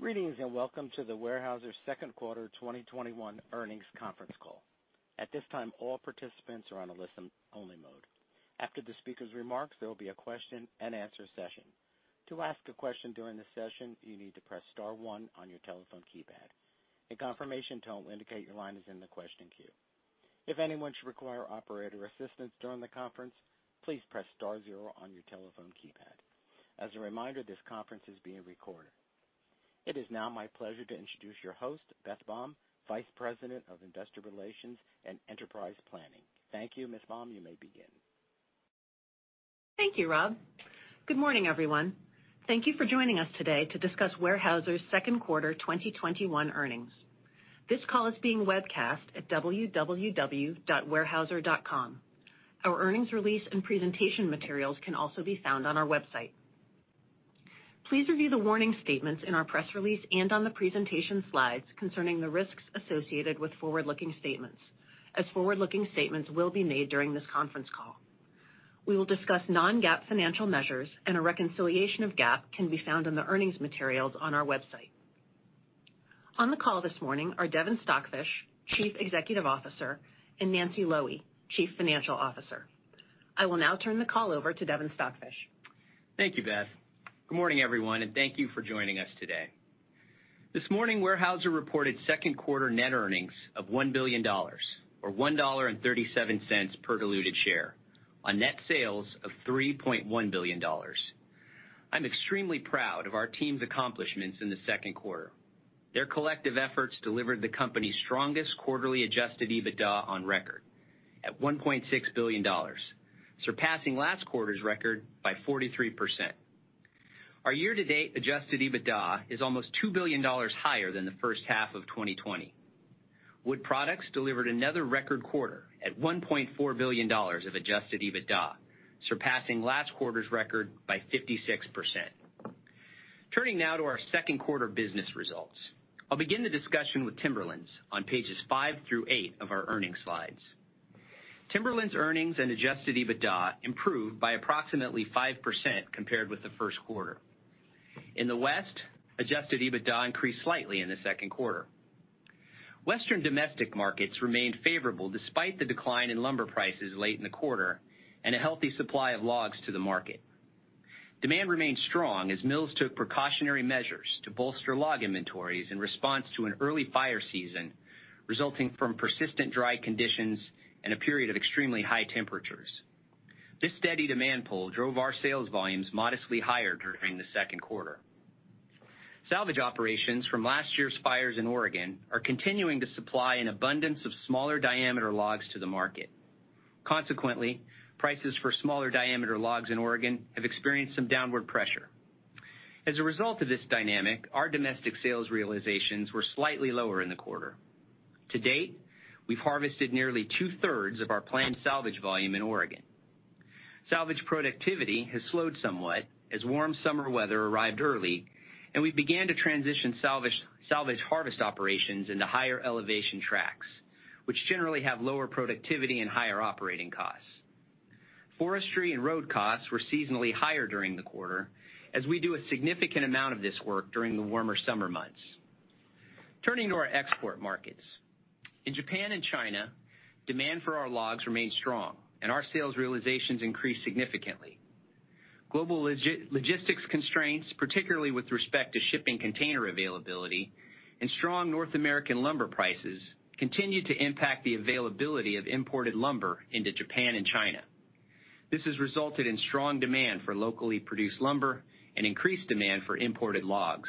Greetings, and welcome to the Weyerhaeuser's Second Quarter 2021 Earnings Conference Call. It is now my pleasure to introduce your host, Beth Baum, Vice President of Investor Relations and Enterprise Planning. Thank you. Ms. Baum, you may begin. Thank you, Rob. Good morning, everyone. Thank you for joining us today to discuss Weyerhaeuser's Second Quarter 2021 Earnings. This call is being webcast at www.weyerhaeuser.com. Our earnings release and presentation materials can also be found on our website. Please review the warning statements in our press release and on the presentation slides concerning the risks associated with forward-looking statements, as forward-looking statements will be made during this conference call. We will discuss non-GAAP financial measures and a reconciliation of GAAP can be found in the earnings materials on our website. On the call this morning are Devin Stockfish, Chief Executive Officer, and Nancy Loewe, Chief Financial Officer. I will now turn the call over to Devin Stockfish. Thank you, Beth. Good morning, everyone, and thank you for joining us today. This morning, Weyerhaeuser reported second quarter net earnings of $1 billion, or $1.37 per diluted share, on net sales of $3.1 billion. I'm extremely proud of our team's accomplishments in the second quarter. Their collective efforts delivered the company's strongest quarterly adjusted EBITDA on record at $1.6 billion, surpassing last quarter's record by 43%. Our year-to-date adjusted EBITDA is almost $2 billion higher than the first half of 2020. Wood Products delivered another record quarter at $1.4 billion of adjusted EBITDA, surpassing last quarter's record by 56%. Turning now to our second quarter business results. I'll begin the discussion with Timberlands on pages five through eight of our earning slides. Timberlands earnings and adjusted EBITDA improved by approximately 5% compared with the first quarter. In the West, adjusted EBITDA increased slightly in the second quarter. Western domestic markets remained favorable despite the decline in lumber prices late in the quarter and a healthy supply of logs to the market. Demand remained strong as mills took precautionary measures to bolster log inventories in response to an early fire season resulting from persistent dry conditions and a period of extremely high temperatures. This steady demand pull drove our sales volumes modestly higher during the second quarter. Salvage operations from last year's fires in Oregon are continuing to supply an abundance of smaller diameter logs to the market. Consequently, prices for smaller diameter logs in Oregon have experienced some downward pressure. As a result of this dynamic, our domestic sales realizations were slightly lower in the quarter. To date, we've harvested nearly two-thirds of our planned salvage volume in Oregon. Salvage productivity has slowed somewhat as warm summer weather arrived early, and we began to transition salvage harvest operations into higher elevation tracks, which generally have lower productivity and higher operating costs. Forestry and road costs were seasonally higher during the quarter, as we do a significant amount of this work during the warmer summer months. Turning to our export markets. In Japan and China, demand for our logs remained strong and our sales realizations increased significantly. Global logistics constraints, particularly with respect to shipping container availability and strong North American lumber prices, continued to impact the availability of imported lumber into Japan and China. This has resulted in strong demand for locally produced lumber and increased demand for imported logs.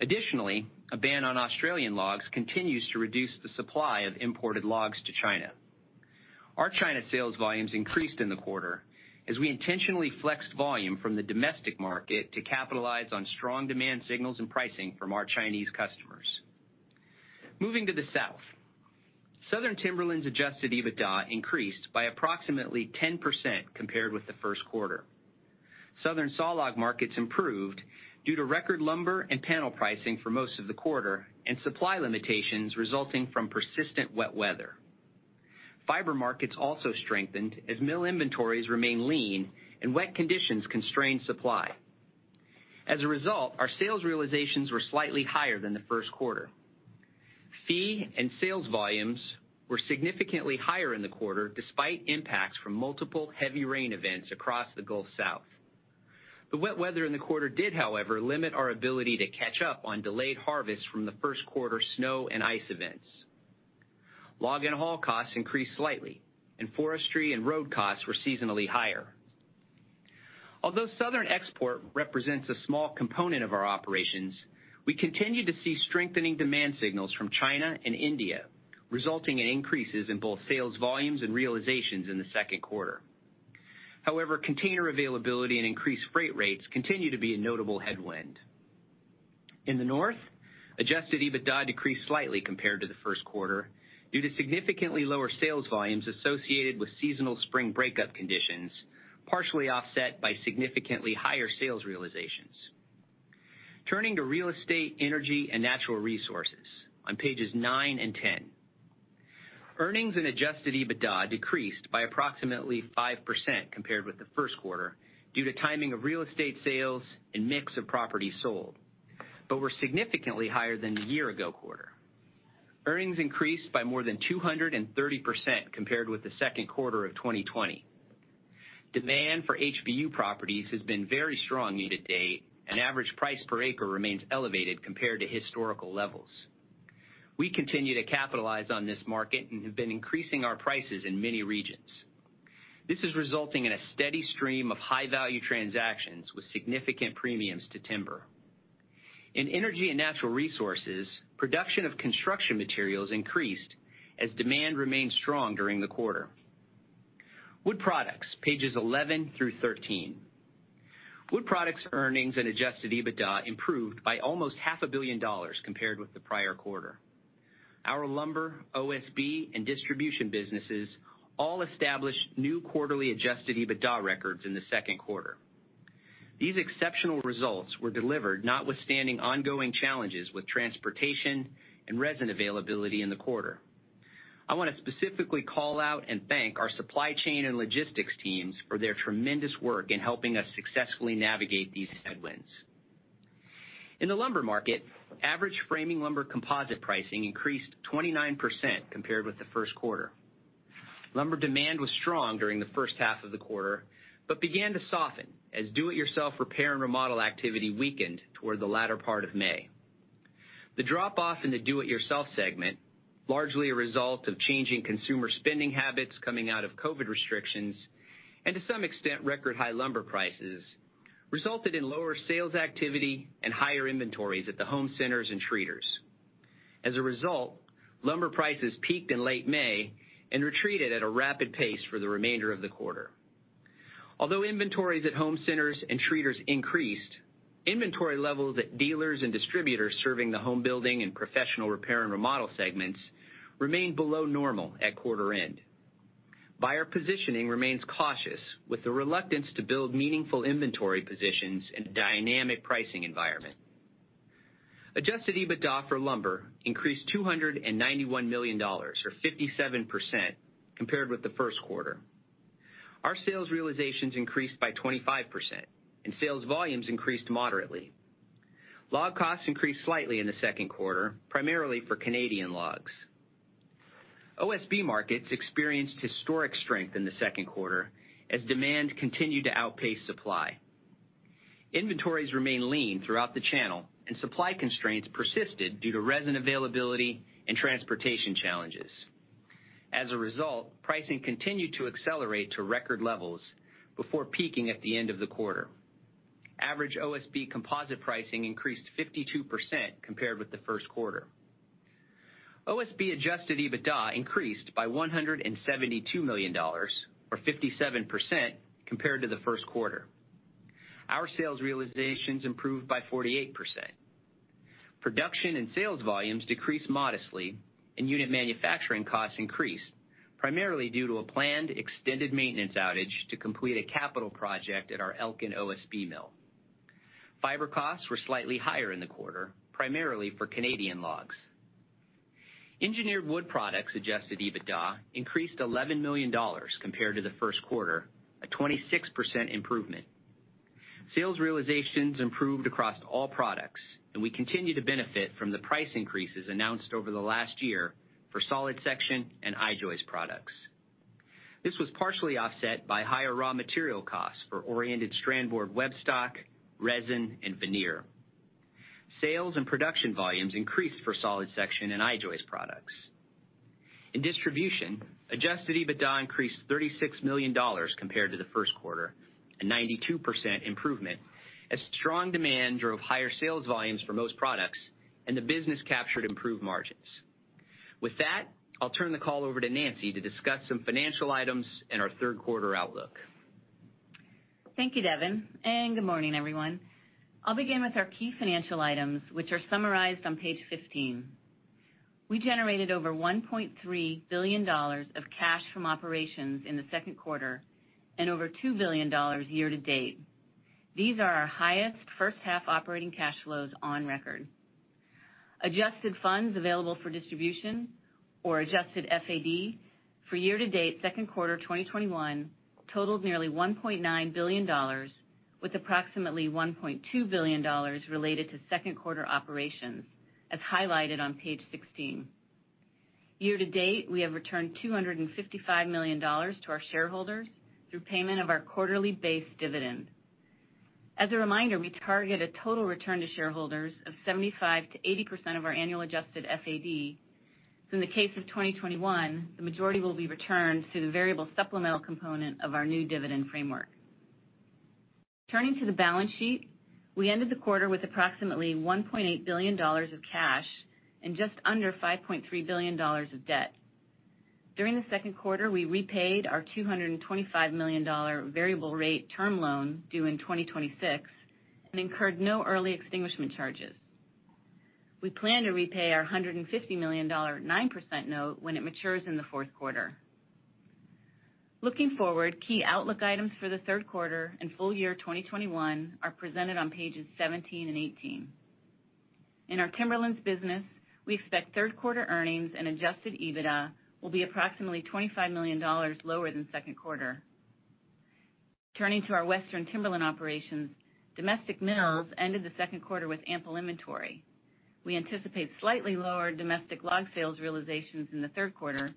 Additionally, a ban on Australian logs continues to reduce the supply of imported logs to China. Our China sales volumes increased in the quarter as we intentionally flexed volume from the domestic market to capitalize on strong demand signals and pricing from our Chinese customers. Moving to the South. Southern Timberlands adjusted EBITDA increased by approximately 10% compared with the first quarter. Southern sawlog markets improved due to record lumber and panel pricing for most of the quarter, and supply limitations resulting from persistent wet weather. Fiber markets also strengthened as mill inventories remained lean and wet conditions constrained supply. As a result, our sales realizations were slightly higher than the first quarter. Fee and sales volumes were significantly higher in the quarter, despite impacts from multiple heavy rain events across the Gulf South. The wet weather in the quarter did, however, limit our ability to catch up on delayed harvests from the first quarter snow and ice events. Log and haul costs increased slightly, and forestry and road costs were seasonally higher. Although southern export represents a small component of our operations, we continue to see strengthening demand signals from China and India, resulting in increases in both sales volumes and realizations in the second quarter. However, container availability and increased freight rates continue to be a notable headwind. In the North, adjusted EBITDA decreased slightly compared to the first quarter due to significantly lower sales volumes associated with seasonal spring breakup conditions, partially offset by significantly higher sales realizations. Turning to Real Estate, Energy, and Natural Resources on pages 9 and 10. Earnings and adjusted EBITDA decreased by approximately 5% compared with the first quarter due to timing of real estate sales and mix of property sold, but were significantly higher than the year ago quarter. Earnings increased by more than 230% compared with the second quarter of 2020. Demand for HBU properties has been very strong year-to-date, and average price per acre remains elevated compared to historical levels. We continue to capitalize on this market and have been increasing our prices in many regions. This is resulting in a steady stream of high-value transactions with significant premiums to timber. In Energy and Natural Resources, production of construction materials increased as demand remained strong during the quarter. Wood Products, pages 11 through 13. Wood Products earnings and adjusted EBITDA improved by almost half a billion dollars compared with the prior quarter. Our lumber, OSB, and distribution businesses all established new quarterly adjusted EBITDA records in the second quarter. These exceptional results were delivered notwithstanding ongoing challenges with transportation and resin availability in the quarter. I want to specifically call out and thank our supply chain and logistics teams for their tremendous work in helping us successfully navigate these headwinds. In the lumber market, average framing lumber composite pricing increased 29% compared with the first quarter. Lumber demand was strong during the first half of the quarter, but began to soften as do-it-yourself repair and remodel activity weakened toward the latter part of May. The drop-off in the do-it-yourself segment, largely a result of changing consumer spending habits coming out of COVID restrictions, and to some extent, record-high lumber prices, resulted in lower sales activity and higher inventories at the home centers and treaters. As a result, lumber prices peaked in late May and retreated at a rapid pace for the remainder of the quarter. Inventories at home centers and treaters increased, inventory levels at dealers and distributors serving the home building and professional repair and remodel segments remained below normal at quarter end. Buyer positioning remains cautious, with a reluctance to build meaningful inventory positions in a dynamic pricing environment. Adjusted EBITDA for lumber increased $291 million, or 57%, compared with the first quarter. Our sales realizations increased by 25% and sales volumes increased moderately. Log costs increased slightly in the second quarter, primarily for Canadian logs. OSB markets experienced historic strength in the second quarter as demand continued to outpace supply. Inventories remained lean throughout the channel, and supply constraints persisted due to resin availability and transportation challenges. As a result, pricing continued to accelerate to record levels before peaking at the end of the quarter. Average OSB composite pricing increased 52% compared with the first quarter. OSB adjusted EBITDA increased by $172 million, or 57%, compared to the first quarter. Our sales realizations improved by 48%. Production and sales volumes decreased modestly, and unit manufacturing costs increased, primarily due to a planned extended maintenance outage to complete a capital project at our Elkin OSB mill. Fiber costs were slightly higher in the quarter, primarily for Canadian logs. Engineered Wood Products adjusted EBITDA increased $11 million compared to the first quarter, a 26% improvement. Sales realizations improved across all products, and we continue to benefit from the price increases announced over the last year for solid section and I-joist products. This was partially offset by higher raw material costs for oriented strand board web stock, resin, and veneer. Sales and production volumes increased for solid section and I-joist products. In distribution, adjusted EBITDA increased $36 million compared to the first quarter, a 92% improvement, as strong demand drove higher sales volumes for most products and the business captured improved margins. With that, I'll turn the call over to Nancy to discuss some financial items and our third-quarter outlook. Thank you, Devin, and good morning, everyone. I'll begin with our key financial items, which are summarized on page 15. We generated over $1.3 billion of cash from operations in the second quarter and over $2 billion year-to-date. These are our highest first-half operating cash flows on record. Adjusted Funds Available for Distribution or adjusted FAD for year-to-date second quarter 2021 totaled nearly $1.9 billion, with approximately $1.2 billion related to second quarter operations, as highlighted on page 16. Year-to-date, we have returned $255 million to our shareholders through payment of our quarterly base dividend. As a reminder, we target a total return to shareholders of 75%-80% of our annual adjusted FAD. In the case of 2021, the majority will be returned through the variable supplemental component of our new dividend framework. Turning to the balance sheet, we ended the quarter with approximately $1.8 billion of cash and just under $5.3 billion of debt. During the second quarter, we repaid our $225 million variable rate term loan due in 2026 and incurred no early extinguishment charges. We plan to repay our $150 million 9% note when it matures in the fourth quarter. Looking forward, key outlook items for the third quarter and full year 2021 are presented on pages 17 and 18. In our Timberlands business, we expect third-quarter earnings and adjusted EBITDA will be approximately $25 million lower than second quarter. Turning to our Western Timberland operations, domestic mills ended the second quarter with ample inventory. We anticipate slightly lower domestic log sales realizations in the third quarter,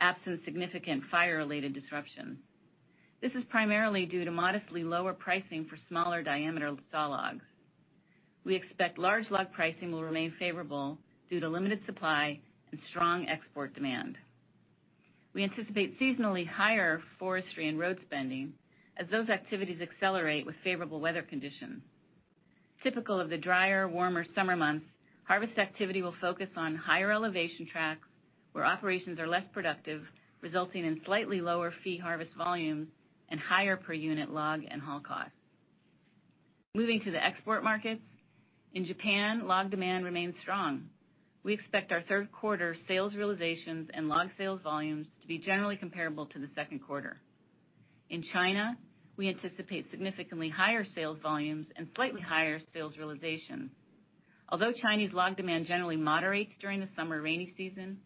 absent significant fire-related disruption. This is primarily due to modestly lower pricing for smaller diameter saw logs. We expect large log pricing will remain favorable due to limited supply and strong export demand. We anticipate seasonally higher forestry and road spending as those activities accelerate with favorable weather conditions. Typical of the drier, warmer summer months, harvest activity will focus on higher elevation tracts where operations are less productive, resulting in slightly lower fee harvest volumes and higher per-unit log and haul costs. Moving to the export markets. In Japan, log demand remains strong. We expect our third quarter sales realizations and log sales volumes to be generally comparable to the second quarter. In China, we anticipate significantly higher sales volumes and slightly higher sales realizations. Although Chinese log demand generally moderates during the summer rainy season,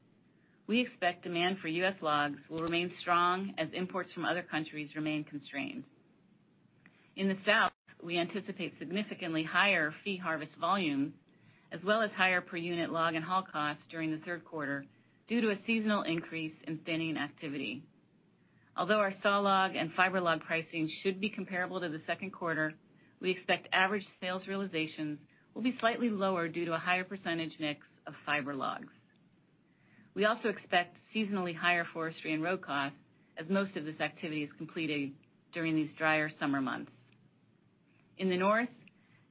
we expect demand for U.S. logs will remain strong as imports from other countries remain constrained. In the South, we anticipate significantly higher fee harvest volumes, as well as higher per-unit log and haul costs during the third quarter due to a seasonal increase in thinning activity. Although our saw log and fiber log pricing should be comparable to the second quarter, we expect average sales realizations will be slightly lower due to a higher percentage mix of fiber logs. We also expect seasonally higher forestry and road costs as most of this activity is completed during these drier summer months. In the North,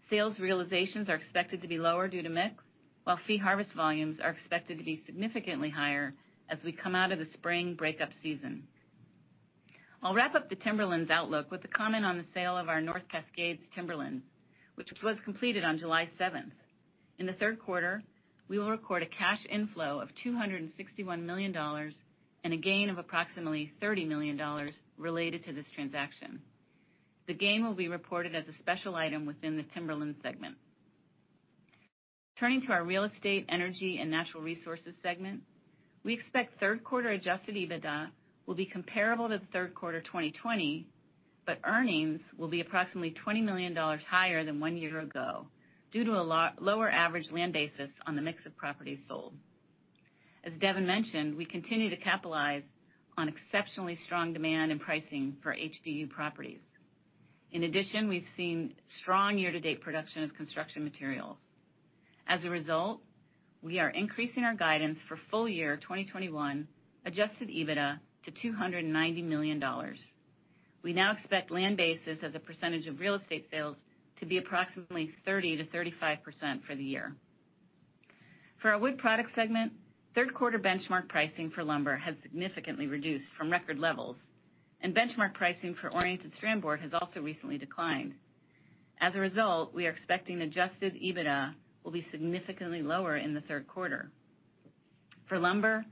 sales realizations are expected to be lower due to mix, while fee harvest volumes are expected to be significantly higher as we come out of the spring breakup season. I'll wrap up the Timberlands outlook with a comment on the sale of our North Cascades Timberlands, which was completed on July 7th. In the third quarter, we will record a cash inflow of $261 million and a gain of approximately $30 million related to this transaction. The gain will be reported as a special item within the Timberlands segment. Turning to our Real Estate, Energy, and Natural Resources segment, we expect third quarter adjusted EBITDA will be comparable to third quarter 2020, earnings will be approximately $20 million higher than one year ago due to a lower average land basis on the mix of properties sold. As Devin mentioned, we continue to capitalize on exceptionally strong demand and pricing for HBU properties. In addition, we've seen strong year-to-date production of construction materials. As a result, we are increasing our guidance for full year 2021 adjusted EBITDA to $290 million. We now expect land basis as a percentage of real estate sales to be approximately 30%-35% for the year. For our Wood Products segment, third-quarter benchmark pricing for lumber has significantly reduced from record levels, and benchmark pricing for oriented strand board has also recently declined. As a result, we are expecting adjusted EBITDA will be significantly lower in the third quarter. For lumber,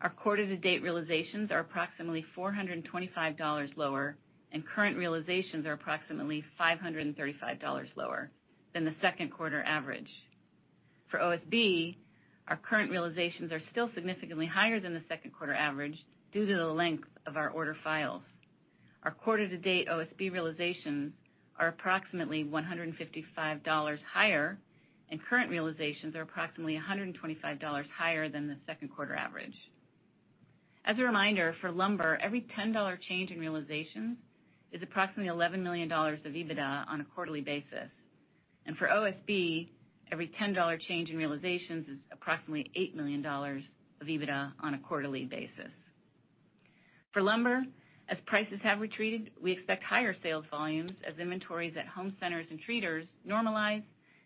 our quarter-to-date realizations are approximately $425 lower, and current realizations are approximately $535 lower than the second quarter average. For OSB, our current realizations are still significantly higher than the second quarter average due to the length of our order files. Our quarter-to-date OSB realizations are approximately $155 higher, and current realizations are approximately $125 higher than the second quarter average. As a reminder, for lumber, every $10 change in realizations is approximately $11 million of EBITDA on a quarterly basis. For OSB, every $10 change in realizations is approximately $8 million of EBITDA on a quarterly basis. For lumber, as prices have retreated, we expect higher sales volumes as inventories at home centers and treaters normalize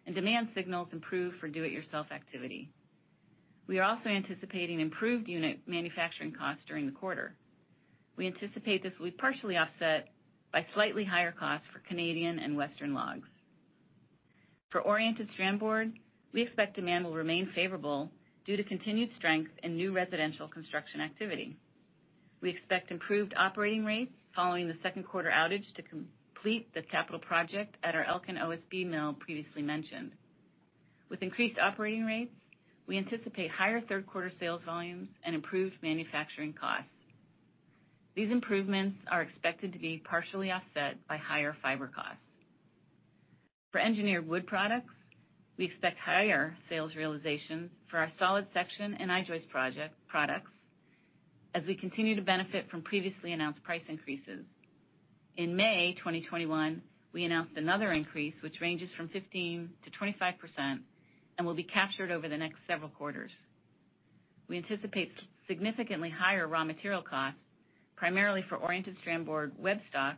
and demand signals improve for do-it-yourself activity. We are also anticipating improved unit manufacturing costs during the quarter. We anticipate this will be partially offset by slightly higher costs for Canadian and Western logs. For oriented strand board, we expect demand will remain favorable due to continued strength in new residential construction activity. We expect improved operating rates following the second quarter outage to complete the capital project at our Elkin OSB mill previously mentioned. With increased operating rates, we anticipate higher third quarter sales volumes and improved manufacturing costs. These improvements are expected to be partially offset by higher fiber costs. For Engineered Wood Products, we expect higher sales realizations for our solid section and I-joist products as we continue to benefit from previously announced price increases. In May 2021, we announced another increase, which ranges from 15%-25% and will be captured over the next several quarters. We anticipate significantly higher raw material costs, primarily for oriented strand board web stock,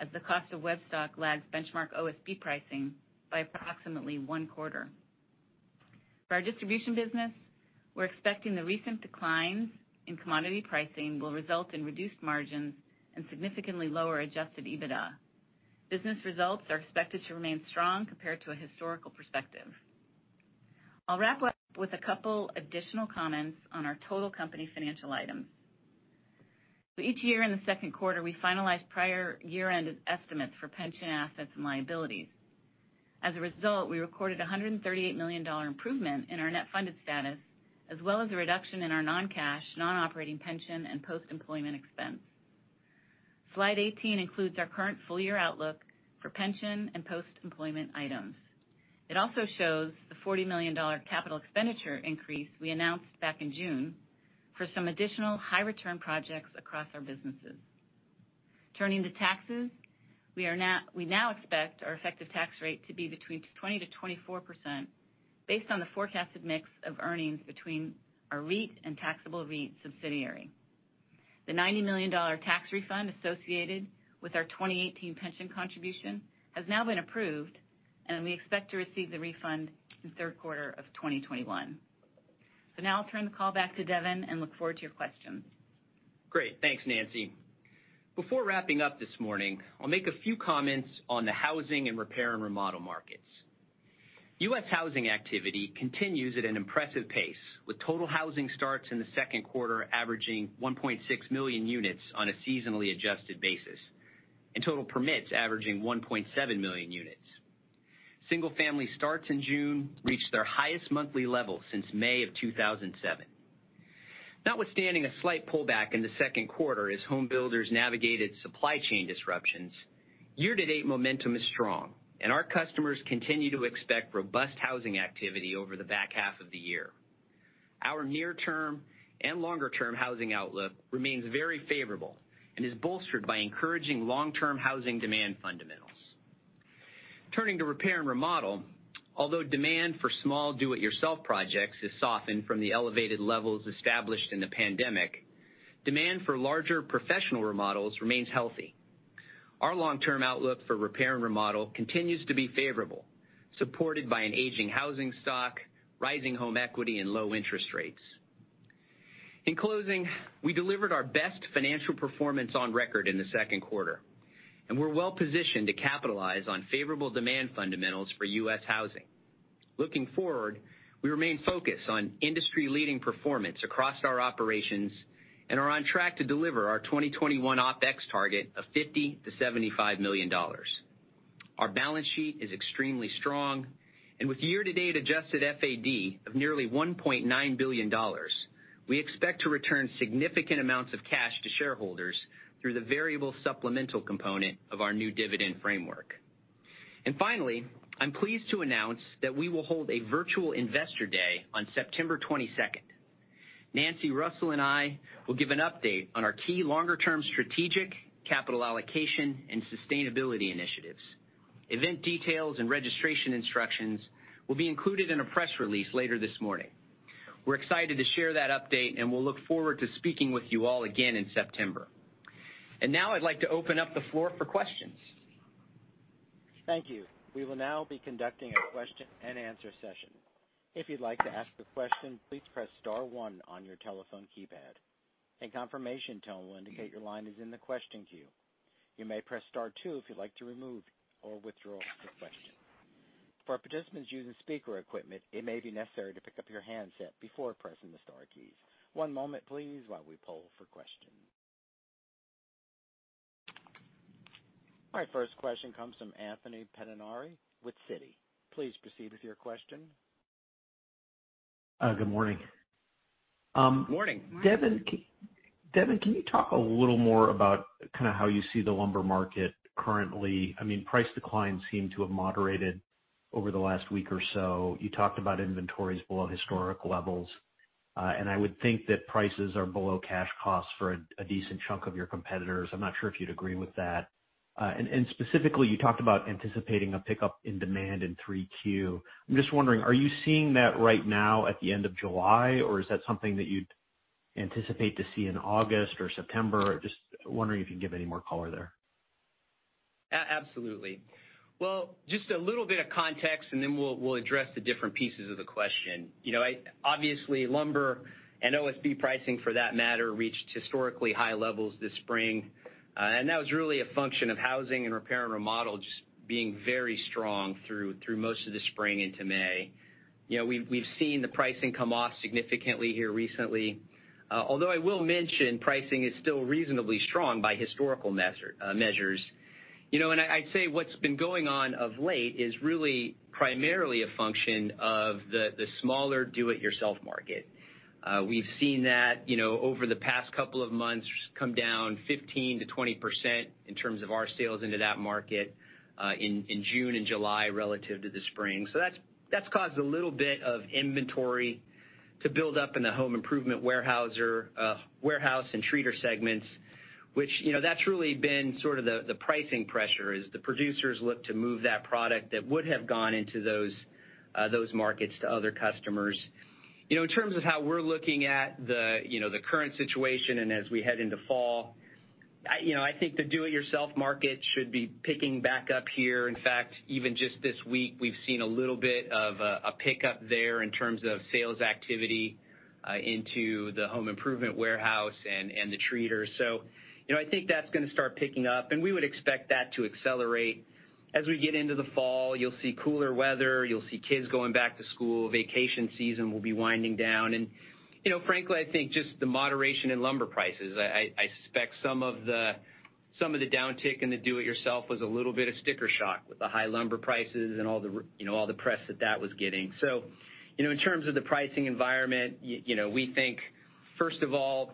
as the cost of web stock lags benchmark OSB pricing by approximately one quarter. For our distribution business, we're expecting the recent declines in commodity pricing will result in reduced margins and significantly lower adjusted EBITDA. Business results are expected to remain strong compared to a historical perspective. I'll wrap up with a couple of additional comments on our total company financial items. Each year in the second quarter, we finalize prior year-end estimates for pension assets and liabilities. As a result, we recorded $138 million improvement in our net funded status, as well as a reduction in our non-cash, non-operating pension and post-employment expense. Slide 18 includes our current full-year outlook for pension and post-employment items. It also shows the $40 million capital expenditure increase we announced back in June for some additional high-return projects across our businesses. Turning to taxes, we now expect our effective tax rate to be between 20%-24%, based on the forecasted mix of earnings between our REIT and taxable REIT subsidiary. The $90 million tax refund associated with our 2018 pension contribution has now been approved, and we expect to receive the refund in the third quarter of 2021. Now I'll turn the call back to Devin and look forward to your questions. Great. Thanks, Nancy. Before wrapping up this morning, I'll make a few comments on the housing and repair and remodel markets. U.S. housing activity continues at an impressive pace, with total housing starts in the second quarter averaging 1.6 million units on a seasonally adjusted basis, and total permits averaging 1.7 million units. Single-family starts in June reached their highest monthly level since May of 2007. Notwithstanding a slight pullback in the second quarter as home builders navigated supply chain disruptions, year-to-date momentum is strong, and our customers continue to expect robust housing activity over the back half of the year. Our near-term and longer-term housing outlook remains very favorable and is bolstered by encouraging long-term housing demand fundamentals. Turning to repair and remodel, although demand for small do-it-yourself projects has softened from the elevated levels established in the pandemic, demand for larger professional remodels remains healthy. Our long-term outlook for repair and remodel continues to be favorable, supported by an aging housing stock, rising home equity, and low interest rates. In closing, we delivered our best financial performance on record in Q2, and we're well-positioned to capitalize on favorable demand fundamentals for U.S. housing. Looking forward, we remain focused on industry-leading performance across our operations and are on track to deliver our 2021 OpEx target of $50 million-$75 million. Our balance sheet is extremely strong, and with year-to-date adjusted FAD of nearly $1.9 billion, we expect to return significant amounts of cash to shareholders through the variable supplemental component of our new dividend framework. Finally, I'm pleased to announce that we will hold a virtual Investor Day on September 22nd. Russell Hagen and I will give an update on our key longer-term strategic capital allocation and sustainability initiatives. Event details and registration instructions will be included in a press release later this morning. We're excited to share that update, and we'll look forward to speaking with you all again in September. Now I'd like to open up the floor for questions. My first question comes from Anthony Pettinari with Citi. Please proceed with your question. Good morning. Morning. Morning. Devin, can you talk a little more about how you see the lumber market currently? Price declines seem to have moderated over the last week or so. You talked about inventories below historic levels. I would think that prices are below cash costs for a decent chunk of your competitors. I'm not sure if you'd agree with that. Specifically, you talked about anticipating a pickup in demand in 3Q. I'm just wondering, are you seeing that right now at the end of July, or is that something that you'd anticipate to see in August or September? Just wondering if you can give any more color there. Absolutely. Well, just a little bit of context and then we'll address the different pieces of the question. Obviously, lumber and OSB pricing for that matter, reached historically high levels this spring. That was really a function of housing and repair and remodel just being very strong through most of the spring into May. We've seen the pricing come off significantly here recently. Although I will mention pricing is still reasonably strong by historical measures. I'd say what's been going on of late is really primarily a function of the smaller do-it-yourself market. We've seen that over the past couple of months come down 15%-20% in terms of our sales into that market in June and July relative to the spring. That's caused a little bit of inventory to build up in the home improvement warehouse and treater segments, which that's really been sort of the pricing pressure as the producers look to move that product that would have gone into those markets to other customers. In terms of how we're looking at the current situation and as we head into fall. I think the do-it-yourself market should be picking back up here. In fact, even just this week, we've seen a little bit of a pickup there in terms of sales activity into the home improvement warehouse and the treater. I think that's going to start picking up, and we would expect that to accelerate. As we get into the fall, you'll see cooler weather. You'll see kids going back to school. Vacation season will be winding down. Frankly, I think just the moderation in lumber prices. I suspect some of the downtick in the do-it-yourself was a little bit of sticker shock with the high lumber prices and all the press that that was getting. In terms of the pricing environment, we think, first of all,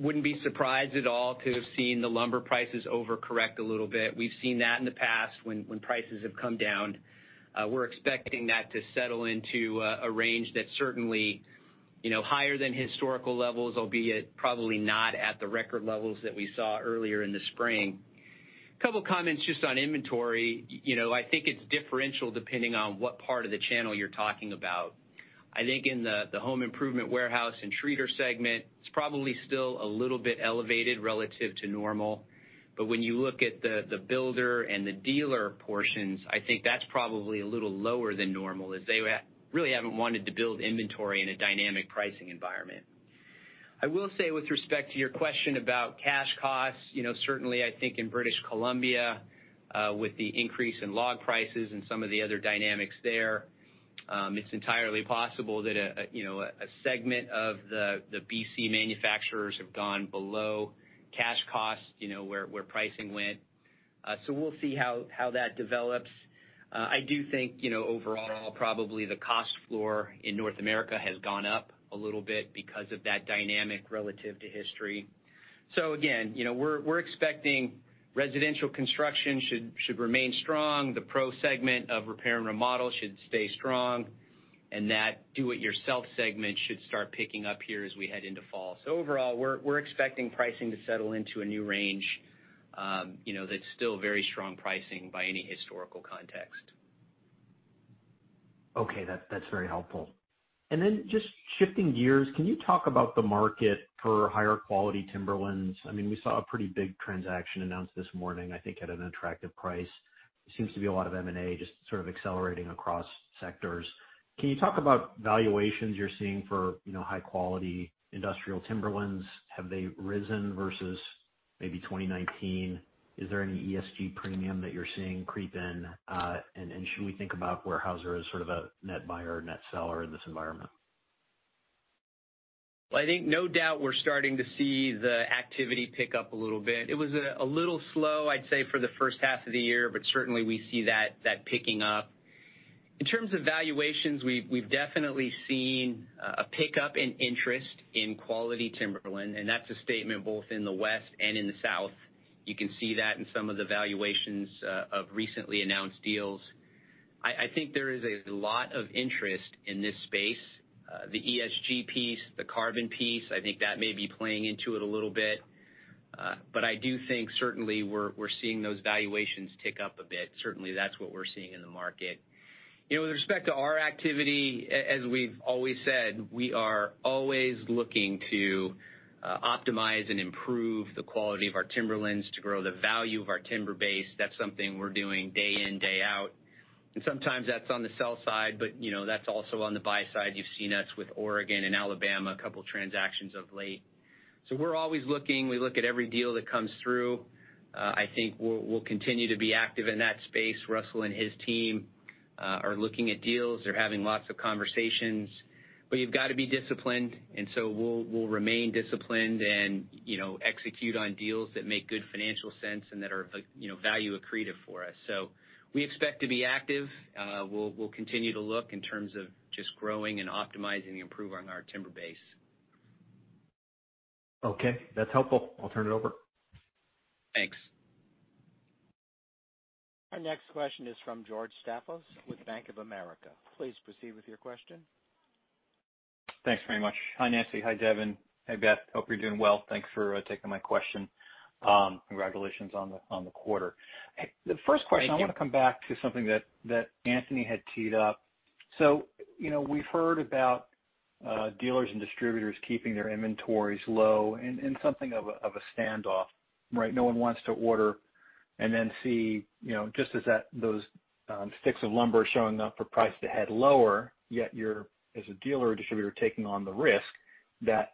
wouldn't be surprised at all to have seen the lumber prices over-correct a little bit. We've seen that in the past when prices have come down. We're expecting that to settle into a range that's certainly higher than historical levels, albeit probably not at the record levels that we saw earlier in the spring. Couple of comments just on inventory. I think it's differential depending on what part of the channel you're talking about. I think in the home improvement warehouse and treater segment, it's probably still a little bit elevated relative to normal. When you look at the builder and the dealer portions, I think that's probably a little lower than normal, as they really haven't wanted to build inventory in a dynamic pricing environment. I will say with respect to your question about cash costs, certainly I think in British Columbia, with the increase in log prices and some of the other dynamics there, it's entirely possible that a segment of the B.C. manufacturers have gone below cash costs, where pricing went. We'll see how that develops. I do think, overall, probably the cost floor in North America has gone up a little bit because of that dynamic relative to history. Again, we're expecting residential construction should remain strong. The pro segment of repair and remodel should stay strong, and that do-it-yourself segment should start picking up here as we head into fall. Overall, we're expecting pricing to settle into a new range that's still very strong pricing by any historical context. Okay. That's very helpful. Just shifting gears, can you talk about the market for higher quality Timberlands? We saw a pretty big transaction announced this morning, I think at an attractive price. There seems to be a lot of M&A just sort of accelerating across sectors. Can you talk about valuations you're seeing for high-quality industrial Timberlands? Have they risen versus maybe 2019? Is there any ESG premium that you're seeing creep in? Should we think about Weyerhaeuser as sort of a net buyer or net seller in this environment? Well, I think no doubt we're starting to see the activity pick up a little bit. It was a little slow, I'd say, for the first half of the year, but certainly we see that picking up. In terms of valuations, we've definitely seen a pickup in interest in quality timberland, and that's a statement both in the West and in the South. You can see that in some of the valuations of recently announced deals. I think there is a lot of interest in this space. The ESG piece, the carbon piece, I think that may be playing into it a little bit. I do think certainly we're seeing those valuations tick up a bit. Certainly, that's what we're seeing in the market. With respect to our activity, as we've always said, we are always looking to optimize and improve the quality of our Timberlands to grow the value of our timber base. That's something we're doing day in, day out. Sometimes that's on the sell side, but that's also on the buy side. You've seen us with Oregon and Alabama, a couple transactions of late. We're always looking. We look at every deal that comes through. I think we'll continue to be active in that space. Russell and his team are looking at deals. They're having lots of conversations. You've got to be disciplined, we'll remain disciplined and execute on deals that make good financial sense and that are value accretive for us. We expect to be active. We'll continue to look in terms of just growing and optimizing and improving our timber base. Okay. That's helpful. I'll turn it over. Thanks. Our next question is from George Staphos with Bank of America. Please proceed with your question. Thanks very much. Hi, Nancy. Hi, Devin. Hey, Beth. Hope you're doing well. Thanks for taking my question. Congratulations on the quarter. Thank you. The first question, I want to come back to something that Anthony had teed up. We've heard about dealers and distributors keeping their inventories low and something of a standoff, right? No one wants to order and then see, just as those sticks of lumber showing up for price to head lower, yet you're, as a dealer or distributor, taking on the risk that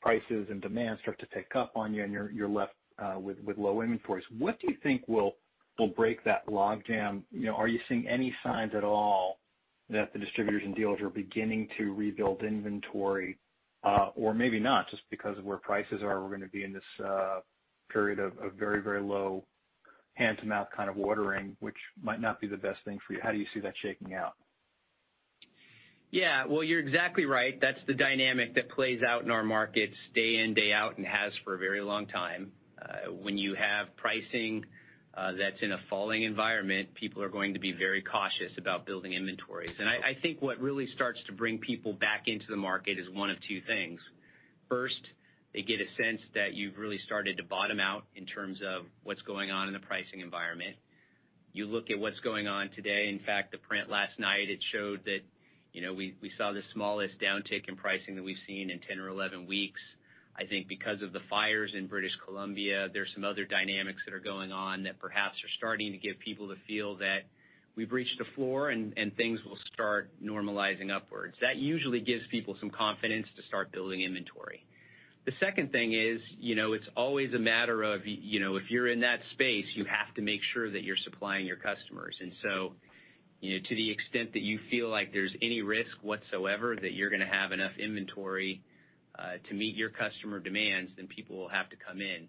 prices and demand start to tick up on you and you're left with low inventories. What do you think will break that logjam? Are you seeing any signs at all that the distributors and dealers are beginning to rebuild inventory? Maybe not, just because of where prices are, we're going to be in this period of very low hand-to-mouth kind of ordering, which might not be the best thing for you. How do you see that shaking out? Yeah. Well, you're exactly right. That's the dynamic that plays out in our markets day in, day out, and has for a very long time. When you have pricing that's in a falling environment, people are going to be very cautious about building inventories. I think what really starts to bring people back into the market is one of two things. First, they get a sense that you've really started to bottom out in terms of what's going on in the pricing environment. You look at what's going on today. In fact, the print last night, it showed that we saw the smallest downtick in pricing that we've seen in 10 or 11 weeks. I think because of the fires in British Columbia, there's some other dynamics that are going on that perhaps are starting to give people the feel that we've reached a floor and things will start normalizing upwards. That usually gives people some confidence to start building inventory. The second thing is, it's always a matter of, if you're in that space, you have to make sure that you're supplying your customers. To the extent that you feel like there's any risk whatsoever that you're going to have enough inventory to meet your customer demands, then people will have to come in.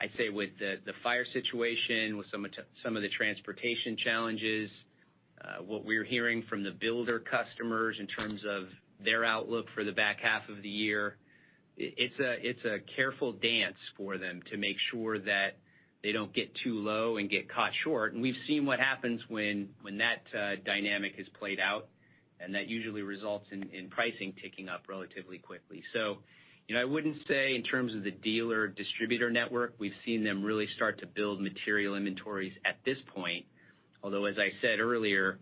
I'd say with the fire situation, with some of the transportation challenges, what we're hearing from the builder customers in terms of their outlook for the back half of the year, it's a careful dance for them to make sure that they don't get too low and get caught short. We've seen what happens when that dynamic is played out, and that usually results in pricing ticking up relatively quickly. I wouldn't say in terms of the dealer distributor network, we've seen them really start to build material inventories at this point. Although, as I said earlier,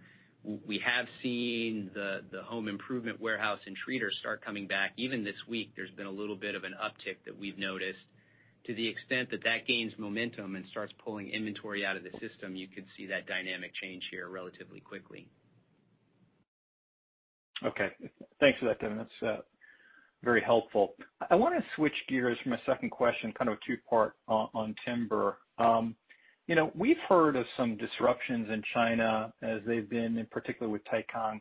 we have seen the home improvement warehouse and treaters start coming back. Even this week, there's been a little bit of an uptick that we've noticed. To the extent that that gains momentum and starts pulling inventory out of the system, you could see that dynamic change here relatively quickly. Okay. Thanks for that, Devin. That's very helpful. I want to switch gears for my second question, kind of a two-part on timber. We've heard of some disruptions in China as they've been, in particular with Taicang,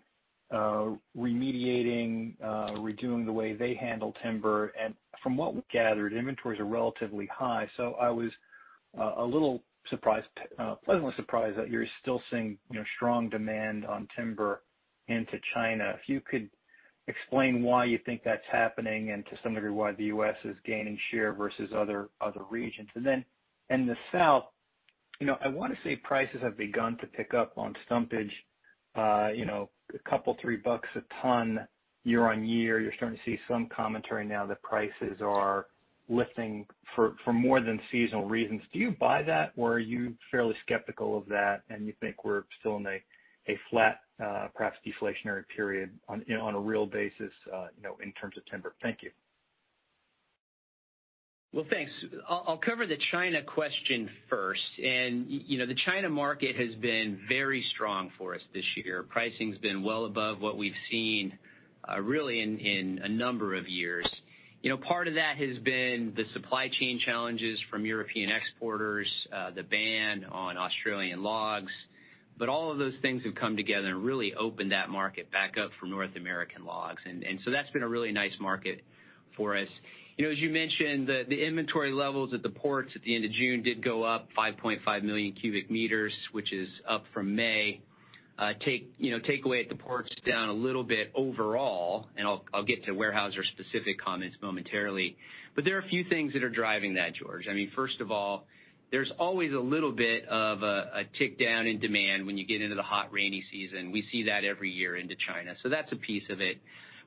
remediating, redoing the way they handle timber. From what we've gathered, inventories are relatively high. I was a little pleasantly surprised that you're still seeing strong demand on timber into China. If you could explain why you think that's happening and to some degree, why the U.S. is gaining share versus other regions. In the South, I want to say prices have begun to pick up on frontage, a couple, 3 bucks a ton year-over-year. You're starting to see some commentary now that prices are lifting for more than seasonal reasons. Do you buy that, or are you fairly skeptical of that, and you think we're still in a flat, perhaps deflationary period on a real basis, in terms of timber? Thank you. Well, thanks. I'll cover the China question first. The China market has been very strong for us this year. Pricing's been well above what we've seen, really, in a number of years. Part of that has been the supply chain challenges from European exporters, the ban on Australian logs. All of those things have come together and really opened that market back up for North American logs. That's been a really nice market for us. As you mentioned, the inventory levels at the ports at the end of June did go up 5.5 million cubic meters, which is up from May. Takeaway at the port's down a little bit overall, and I'll get to Weyerhaeuser-specific comments momentarily, but there are a few things that are driving that, George. First of all, there's always a little bit of a tick down in demand when you get into the hot, rainy season. We see that every year into China, that's a piece of it.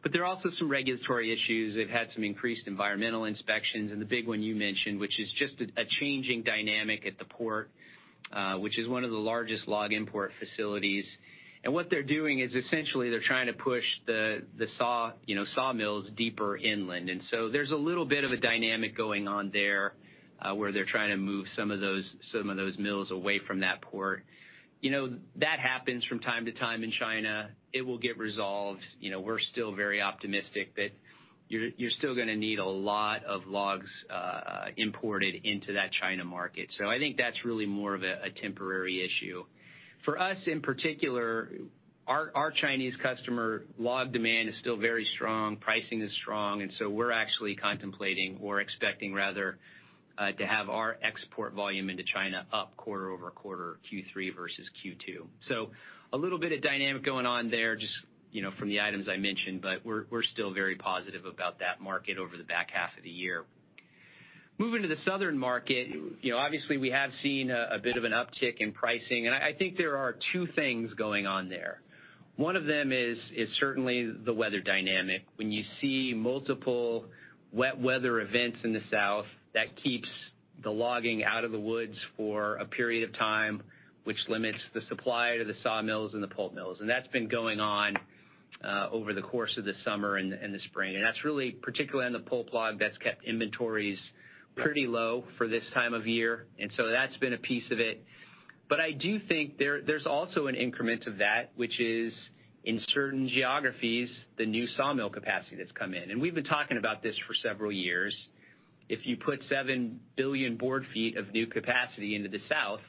There are also some regulatory issues. They've had some increased environmental inspections, the big one you mentioned, which is just a changing dynamic at the port, which is one of the largest log import facilities. What they're doing is essentially they're trying to push the sawmills deeper inland. There's a little bit of a dynamic going on there, where they're trying to move some of those mills away from that port. That happens from time to time in China. It will get resolved. We're still very optimistic that you're still going to need a lot of logs imported into that China market. I think that's really more of a temporary issue. For us, in particular, our Chinese customer log demand is still very strong. Pricing is strong, we're actually contemplating, or expecting rather, to have our export volume into China up quarter-over-quarter Q3 versus Q2. A little bit of dynamic going on there, just from the items I mentioned, but we're still very positive about that market over the back half of the year. Moving to the Southern market, obviously we have seen a bit of an uptick in pricing, and I think there are two things going on there. One of them is certainly the weather dynamic. When you see multiple wet weather events in the South, that keeps the logging out of the woods for a period of time, which limits the supply to the sawmills and the pulp mills. That's been going on over the course of the summer and the spring. That's really particularly on the pulp log that's kept inventories pretty low for this time of year, and so that's been a piece of it. I do think there's also an increment of that, which is in certain geographies, the new sawmill capacity that's come in, and we've been talking about this for several years. If you put 7 billion board feet of new capacity into the South,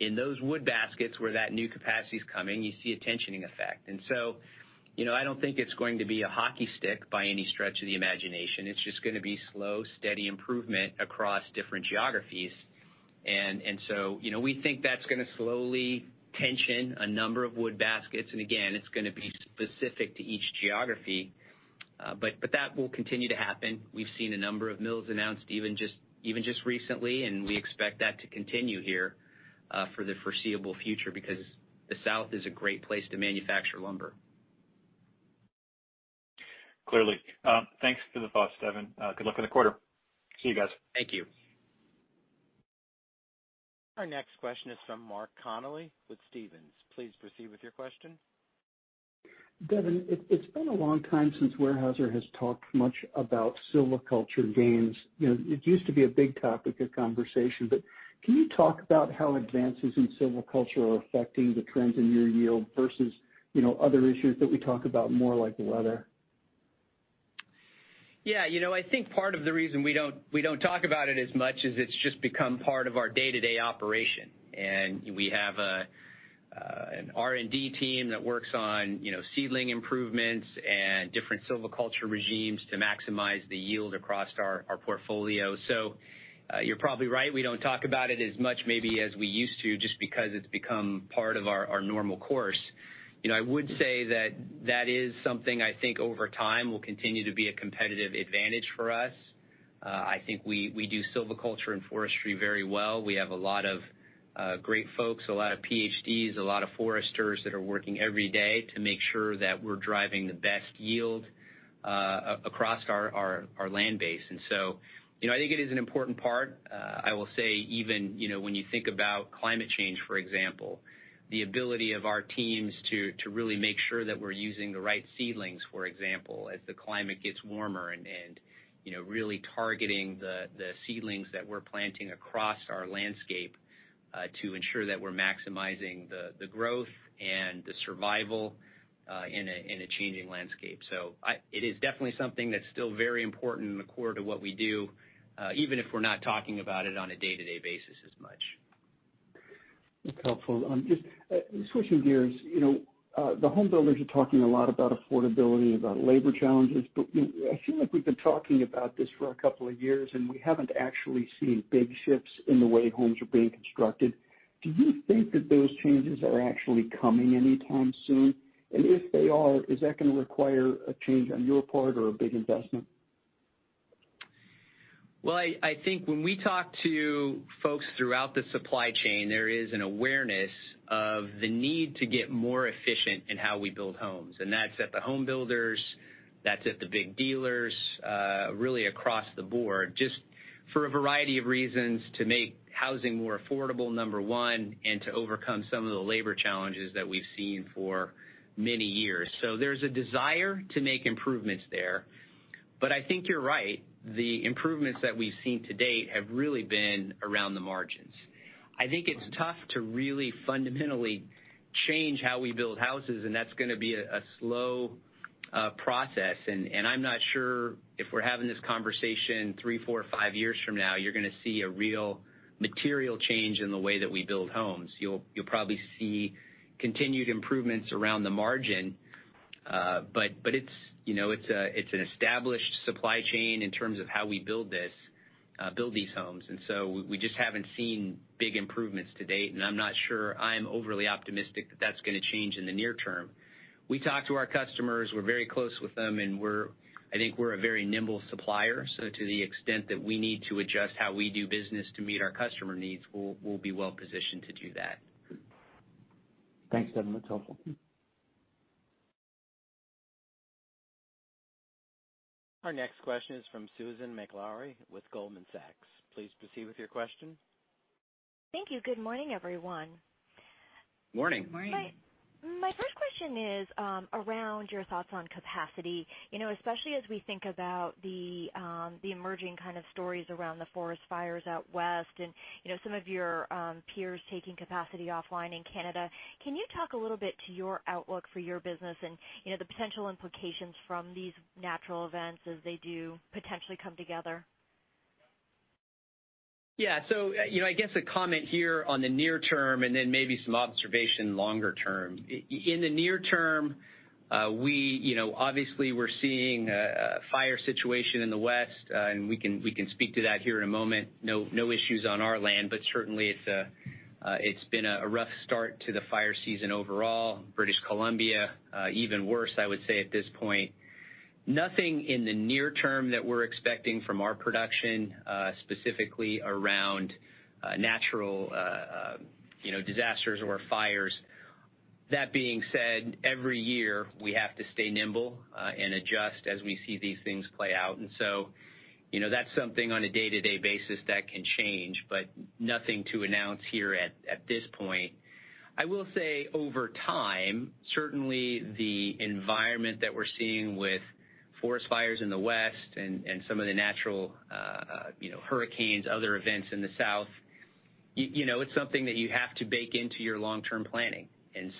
in those wood baskets where that new capacity is coming, you see a tensioning effect. I don't think it's going to be a hockey stick by any stretch of the imagination. It's just going to be slow, steady improvement across different geographies. We think that's going to slowly tension a number of wood baskets, and again, it's going to be specific to each geography. That will continue to happen. We've seen a number of mills announced even just recently, and we expect that to continue here for the foreseeable future because the South is a great place to manufacture lumber. Clearly. Thanks for the thoughts, Devin. Good luck with the quarter. See you guys. Thank you. Our next question is from Mark Connelly with Stephens. Please proceed with your question. Devin, it's been a long time since Weyerhaeuser has talked much about silviculture gains. It used to be a big topic of conversation. Can you talk about how advances in silviculture are affecting the trends in your yield versus other issues that we talk about more, like the weather? Yeah. I think part of the reason we don't talk about it as much is it's just become part of our day-to-day operation. We have an R&D team that works on seedling improvements and different silviculture regimes to maximize the yield across our portfolio. You're probably right. We don't talk about it as much maybe as we used to, just because it's become part of our normal course. I would say that is something I think over time will continue to be a competitive advantage for us. I think we do silviculture and forestry very well. We have a lot of great folks, a lot of PhDs, a lot of foresters that are working every day to make sure that we're driving the best yield across our land base. I think it is an important part. I will say, even when you think about climate change, for example, the ability of our teams to really make sure that we're using the right seedlings, for example, as the climate gets warmer and really targeting the seedlings that we're planting across our landscape to ensure that we're maximizing the growth and the survival in a changing landscape. It is definitely something that's still very important and core to what we do, even if we're not talking about it on a day-to-day basis as much. That's helpful. Just switching gears, the home builders are talking a lot about affordability, about labor challenges, but I feel like we've been talking about this for a couple of years, and we haven't actually seen big shifts in the way homes are being constructed. Do you think that those changes are actually coming any time soon? If they are, is that going to require a change on your part or a big investment? Well, I think when we talk to folks throughout the supply chain, there is an awareness of the need to get more efficient in how we build homes. That's at the home builders, that's at the big dealers, really across the board, just for a variety of reasons, to make housing more affordable, number one, and to overcome some of the labor challenges that we've seen for many years. There's a desire to make improvements there. I think you're right. The improvements that we've seen to date have really been around the margins. I think it's tough to really fundamentally change how we build houses, and that's going to be a slow process. I'm not sure if we're having this conversation three, four, five years from now, you're going to see a real material change in the way that we build homes. You'll probably see continued improvements around the margin. It's an established supply chain in terms of how we build these homes. We just haven't seen big improvements to date, and I'm not sure I'm overly optimistic that that's going to change in the near term. We talk to our customers, we're very close with them, and I think we're a very nimble supplier. To the extent that we need to adjust how we do business to meet our customer needs, we'll be well positioned to do that. Thanks, Devin. That's helpful. Our next question is from Susan Maklari with Goldman Sachs. Please proceed with your question. Thank you. Good morning, everyone. Morning. Morning. My first question is around your thoughts on capacity, especially as we think about the emerging kind of stories around the forest fires out West and some of your peers taking capacity offline in Canada. Can you talk a little bit to your outlook for your business and the potential implications from these natural events as they do potentially come together? Yeah. I guess a comment here on the near term and then maybe some observation longer term. In the near term, obviously we're seeing a fire situation in the West, and we can speak to that here in a moment. No issues on our land, but certainly it's been a rough start to the fire season overall. British Columbia, even worse, I would say at this point. Nothing in the near term that we're expecting from our production, specifically around natural disasters or fires. That being said, every year we have to stay nimble and adjust as we see these things play out. That's something on a day-to-day basis that can change, but nothing to announce here at this point. I will say over time, certainly the environment that we're seeing with forest fires in the West and some of the natural hurricanes, other events in the South, it's something that you have to bake into your long-term planning. As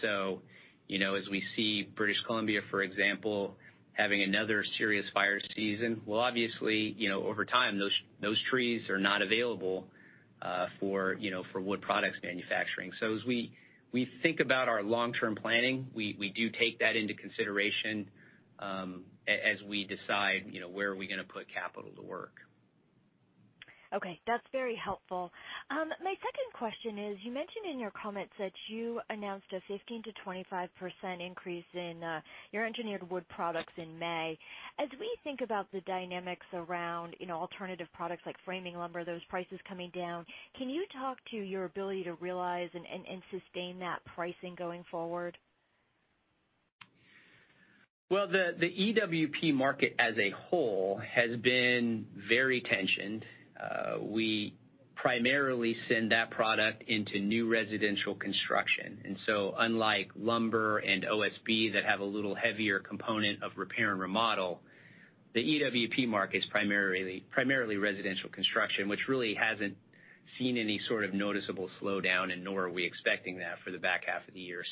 we see British Columbia, for example, having another serious fire season, well obviously, over time, those trees are not available for Wood Products manufacturing. As we think about our long-term planning, we do take that into consideration as we decide where are we going to put capital to work. Okay, that's very helpful. My second question is, you mentioned in your comments that you announced a 15%-25% increase in your Engineered Wood Products in May. When you think about the dynamics around alternative products like framing lumber, those prices coming down, can you talk to your ability to realize and sustain that pricing going forward? Well, the EWP market as a whole has been very tensioned. We primarily send that product into new residential construction. Unlike lumber and OSB that have a little heavier component of repair and remodel, the EWP market is primarily residential construction, which really hasn't seen any sort of noticeable slowdown, and nor are we expecting that for the back half of the year.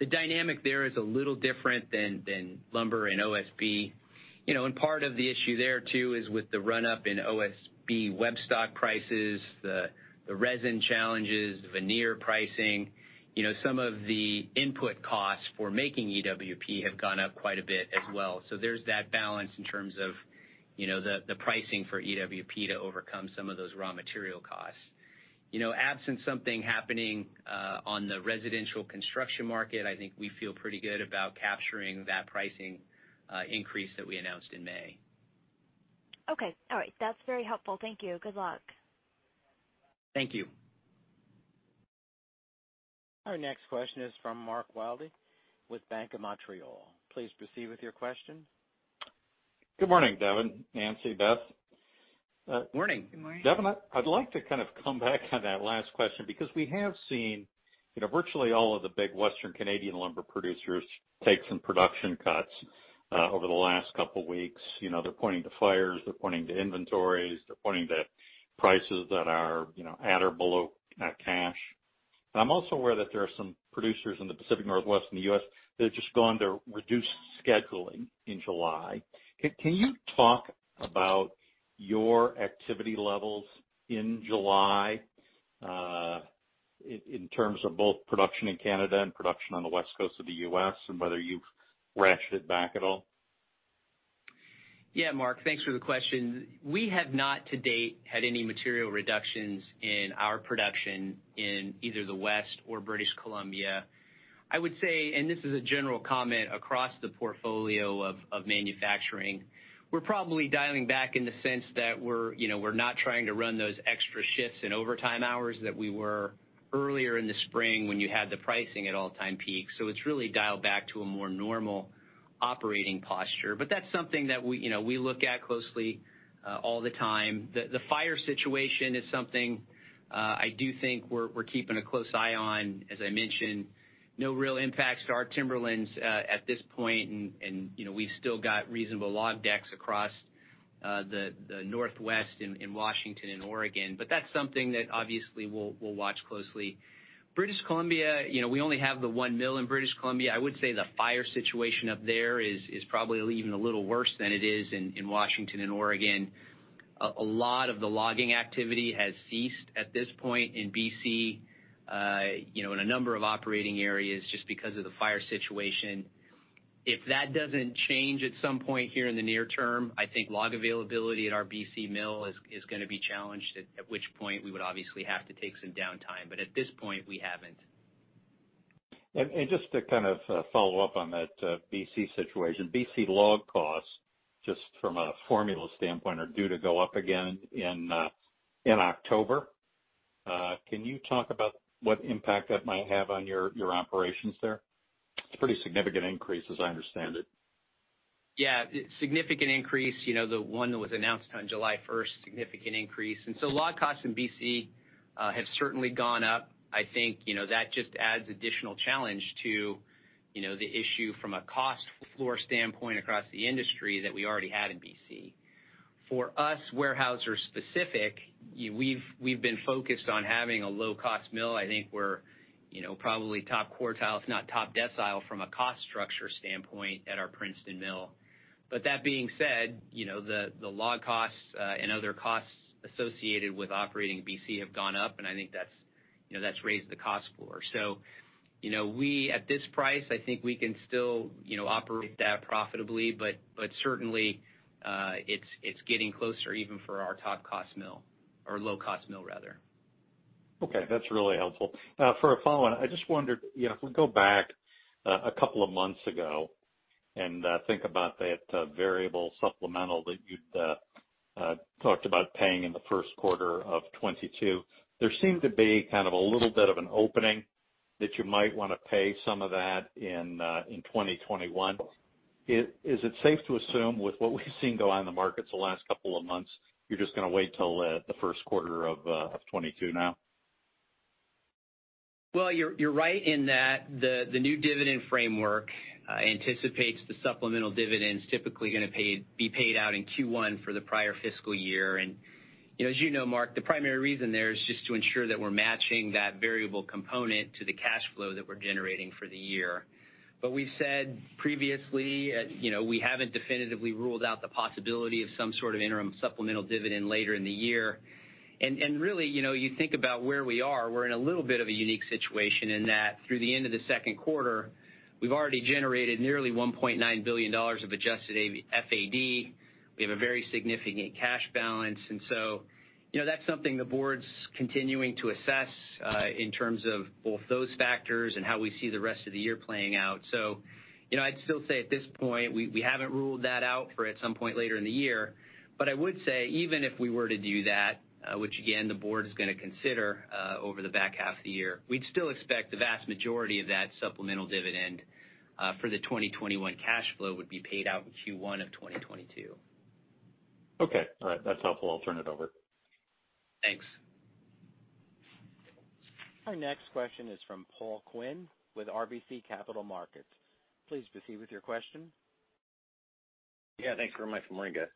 The dynamic there is a little different than lumber and OSB. Part of the issue there, too, is with the run-up in OSB web stock prices, the resin challenges, veneer pricing. Some of the input costs for making EWP have gone up quite a bit as well. There's that balance in terms of the pricing for EWP to overcome some of those raw material costs. Absent something happening on the residential construction market, I think we feel pretty good about capturing that pricing increase that we announced in May. Okay. All right. That's very helpful. Thank you. Good luck. Thank you. Our next question is from Mark Wilde with Bank of Montreal. Please proceed with your question. Good morning, Devin, Nancy, Beth. Morning. Good morning. Devin, I'd like to kind of come back on that last question because we have seen virtually all of the big Western Canadian lumber producers take some production cuts over the last couple of weeks. They're pointing to fires, they're pointing to inventories, they're pointing to prices that are at or below cash. I'm also aware that there are some producers in the Pacific Northwest and the U.S. that have just gone to reduced scheduling in July. Can you talk about your activity levels in July, in terms of both production in Canada and production on the West Coast of the U.S., and whether you've ratcheted it back at all? Mark, thanks for the question. We have not to date had any material reductions in our production in either the West or British Columbia. I would say, this is a general comment across the portfolio of manufacturing, we're probably dialing back in the sense that we're not trying to run those extra shifts and overtime hours that we were earlier in the spring when you had the pricing at all-time peaks. It's really dialed back to a more normal operating posture. That's something that we look at closely all the time. The fire situation is something I do think we're keeping a close eye on. As I mentioned, no real impacts to our timberlands at this point, we've still got reasonable log decks across the Northwest in Washington and Oregon. That's something that obviously we'll watch closely. British Columbia, we only have the one mill in British Columbia. I would say the fire situation up there is probably even a little worse than it is in Washington and Oregon. A lot of the logging activity has ceased at this point in B.C., in a number of operating areas just because of the fire situation. If that doesn't change at some point here in the near term, I think log availability at our B.C. mill is going to be challenged, at which point we would obviously have to take some downtime. At this point, we haven't. Just to kind of follow up on that B.C. situation. B.C. log costs, just from a formula standpoint, are due to go up again in October. Can you talk about what impact that might have on your operations there? It's a pretty significant increase, as I understand it. Yeah. Significant increase, the one that was announced on July 1st, significant increase. Log costs in B.C. have certainly gone up. I think that just adds additional challenge to the issue from a cost floor standpoint across the industry that we already had in B.C. For us, Weyerhaeuser specific, we've been focused on having a low-cost mill. I think we're probably top quartile, if not top decile from a cost structure standpoint at our Princeton mill. That being said, the log costs and other costs associated with operating B.C. have gone up, and I think that's raised the cost for us. We, at this price, I think we can still operate that profitably, but certainly, it's getting closer even for our top cost mill or low-cost mill rather. Okay. That's really helpful. For a follow-on, I just wondered if we go back a couple of months ago and think about that variable supplemental that you'd talked about paying in the first quarter of 2022. There seemed to be kind of a little bit of an opening that you might want to pay some of that in 2021. Is it safe to assume with what we've seen go on in the markets the last couple of months, you're just going to wait till the first quarter of 2022 now? Well, you're right in that the new dividend framework anticipates the supplemental dividends typically going to be paid out in Q1 for the prior fiscal year. As you know, Mark, the primary reason there is just to ensure that we're matching that variable component to the cash flow that we're generating for the year. We've said previously we haven't definitively ruled out the possibility of some sort of interim supplemental dividend later in the year. Really, you think about where we are, we're in a little bit of a unique situation in that through the end of the second quarter, we've already generated nearly $1.9 billion of adjusted FAD. We have a very significant cash balance. That's something the board's continuing to assess in terms of both those factors and how we see the rest of the year playing out. I'd still say at this point, we haven't ruled that out for at some point later in the year. I would say, even if we were to do that, which again, the board is going to consider over the back half of the year, we'd still expect the vast majority of that supplemental dividend for the 2021 cash flow would be paid out in Q1 of 2022. Okay. All right. That's helpful. I'll turn it over. Thanks. Our next question is from Paul Quinn with RBC Capital Markets. Please proceed with your question. Yeah. Thanks very much. Morning, guys.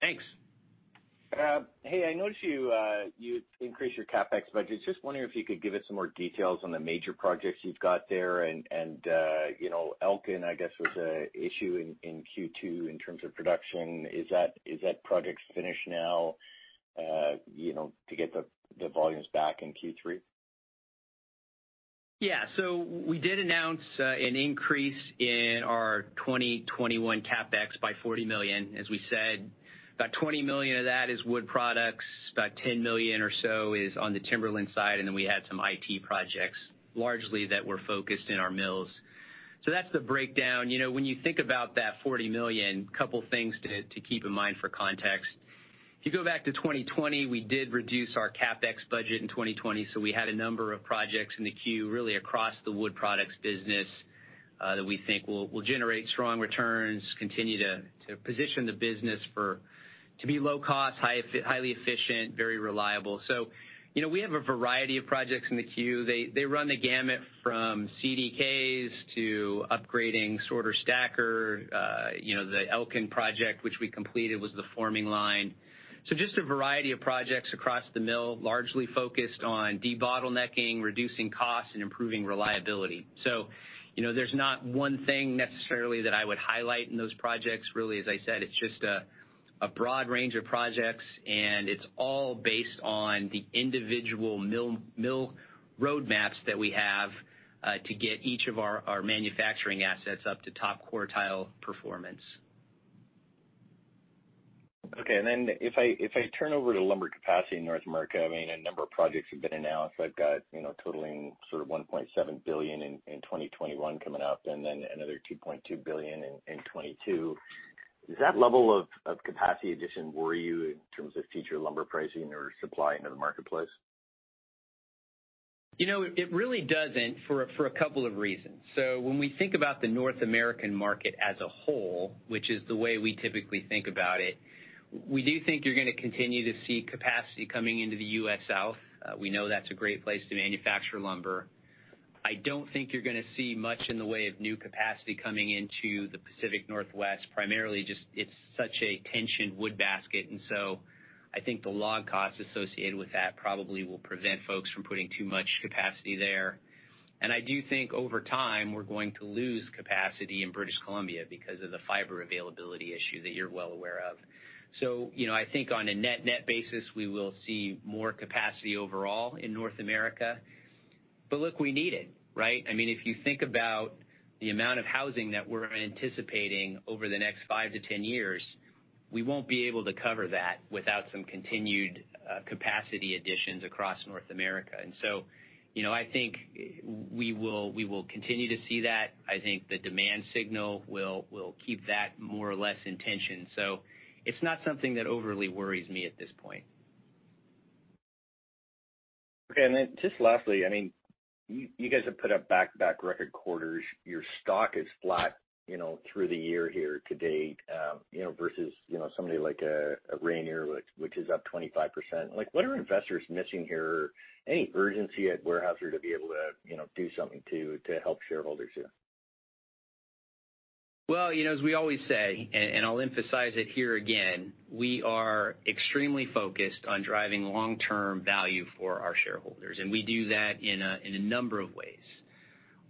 Thanks. Hey, I noticed you increased your CapEx budget. Just wondering if you could give us some more details on the major projects you've got there. Elkin, I guess, was an issue in Q2 in terms of production. Is that project finished now to get the volumes back in Q3? We did announce an increase in our 2021 CapEx by $40 million. As we said, about $20 million of that is Wood Products, about $10 million or so is on the Timberlands side, and then we had some IT projects largely that were focused in our mills. That's the breakdown. When you think about that $40 million, a couple of things to keep in mind for context. If you go back to 2020, we did reduce our CapEx budget in 2020, we had a number of projects in the queue really across the Wood Products business that we think will generate strong returns, continue to position the business to be low cost, highly efficient, very reliable. We have a variety of projects in the queue. They run the gamut from CDKs to upgrading sorter stacker. The Elkin project, which we completed, was the forming line. Just a variety of projects across the mill, largely focused on de-bottlenecking, reducing costs, and improving reliability. There's not one thing necessarily that I would highlight in those projects. Really, as I said, it's just a broad range of projects, and it's all based on the individual mill roadmaps that we have to get each of our manufacturing assets up to top quartile performance. Okay. If I turn over to lumber capacity in North America, a number of projects have been announced that've got totaling sort of $1.7 billion in 2021 coming up, another $2.2 billion in 2022. Does that level of capacity addition worry you in terms of future lumber pricing or supply into the marketplace? It really doesn't, for a couple of reasons. When we think about the North American market as a whole, which is the way we typically think about it, we do think you're going to continue to see capacity coming into the U.S. South. We know that's a great place to manufacture lumber. I don't think you're going to see much in the way of new capacity coming into the Pacific Northwest, primarily just it's such a tensioned wood basket, I think the log costs associated with that probably will prevent folks from putting too much capacity there. I do think over time, we're going to lose capacity in British Columbia because of the fiber availability issue that you're well aware of. I think on a net-net basis, we will see more capacity overall in North America. Look, we need it, right? If you think about the amount of housing that we're anticipating over the next five to 10 years, we won't be able to cover that without some continued capacity additions across North America. I think we will continue to see that. I think the demand signal will keep that more or less in tension. It's not something that overly worries me at this point. Okay, just lastly, you guys have put up back-to-back record quarters. Your stock is flat through the year here to date versus somebody like a Rayonier which is up 25%. What are investors missing here? Any urgency at Weyerhaeuser to be able to do something to help shareholders here? Well, as we always say, and I'll emphasize it here again, we are extremely focused on driving long-term value for our shareholders, and we do that in a number of ways.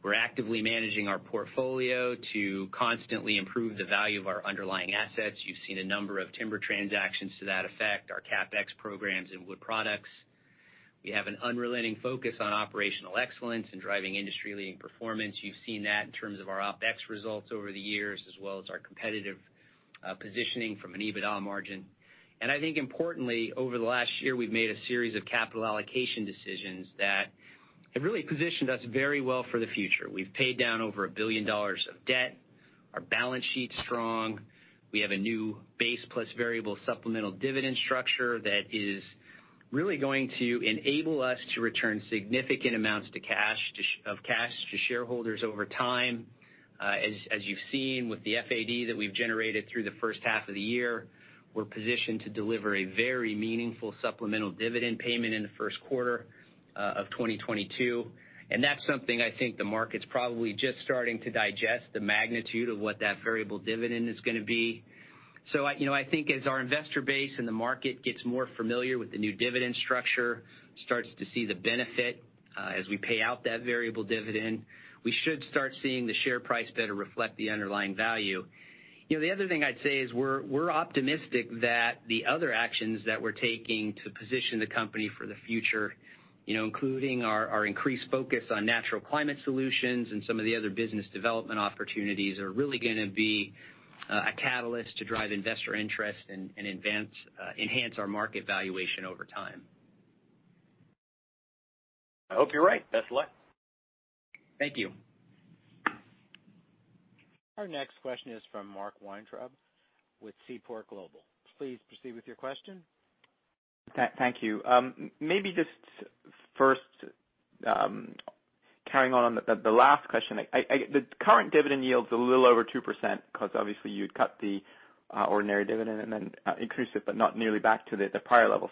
We're actively managing our portfolio to constantly improve the value of our underlying assets. You've seen a number of timber transactions to that effect, our CapEx programs in Wood Products. We have an unrelenting focus on operational excellence and driving industry-leading performance. You've seen that in terms of our OPEX results over the years as well as our competitive positioning from an EBITDA margin. I think importantly, over the last year, we've made a series of capital allocation decisions that have really positioned us very well for the future. We've paid down over $1 billion of debt. Our balance sheet's strong. We have a new base plus variable supplemental dividend structure that is really going to enable us to return significant amounts of cash to shareholders over time. As you've seen with the FAD that we've generated through the first half of the year, we're positioned to deliver a very meaningful supplemental dividend payment in the first quarter of 2022. That's something I think the market's probably just starting to digest the magnitude of what that variable dividend is going to be. I think as our investor base and the market gets more familiar with the new dividend structure, starts to see the benefit as we pay out that variable dividend, we should start seeing the share price better reflect the underlying value. The other thing I'd say is we're optimistic that the other actions that we're taking to position the company for the future, including our increased focus on Natural Climate Solutions and some of the other business development opportunities, are really going to be a catalyst to drive investor interest and enhance our market valuation over time. I hope you're right. Best of luck. Thank you. Our next question is from Mark Weintraub with Seaport Global. Please proceed with your question. Thank you. Maybe just first, carrying on on the last question, the current dividend yield's a little over 2%, because obviously you'd cut the ordinary dividend and then increase it, but not nearly back to the prior level.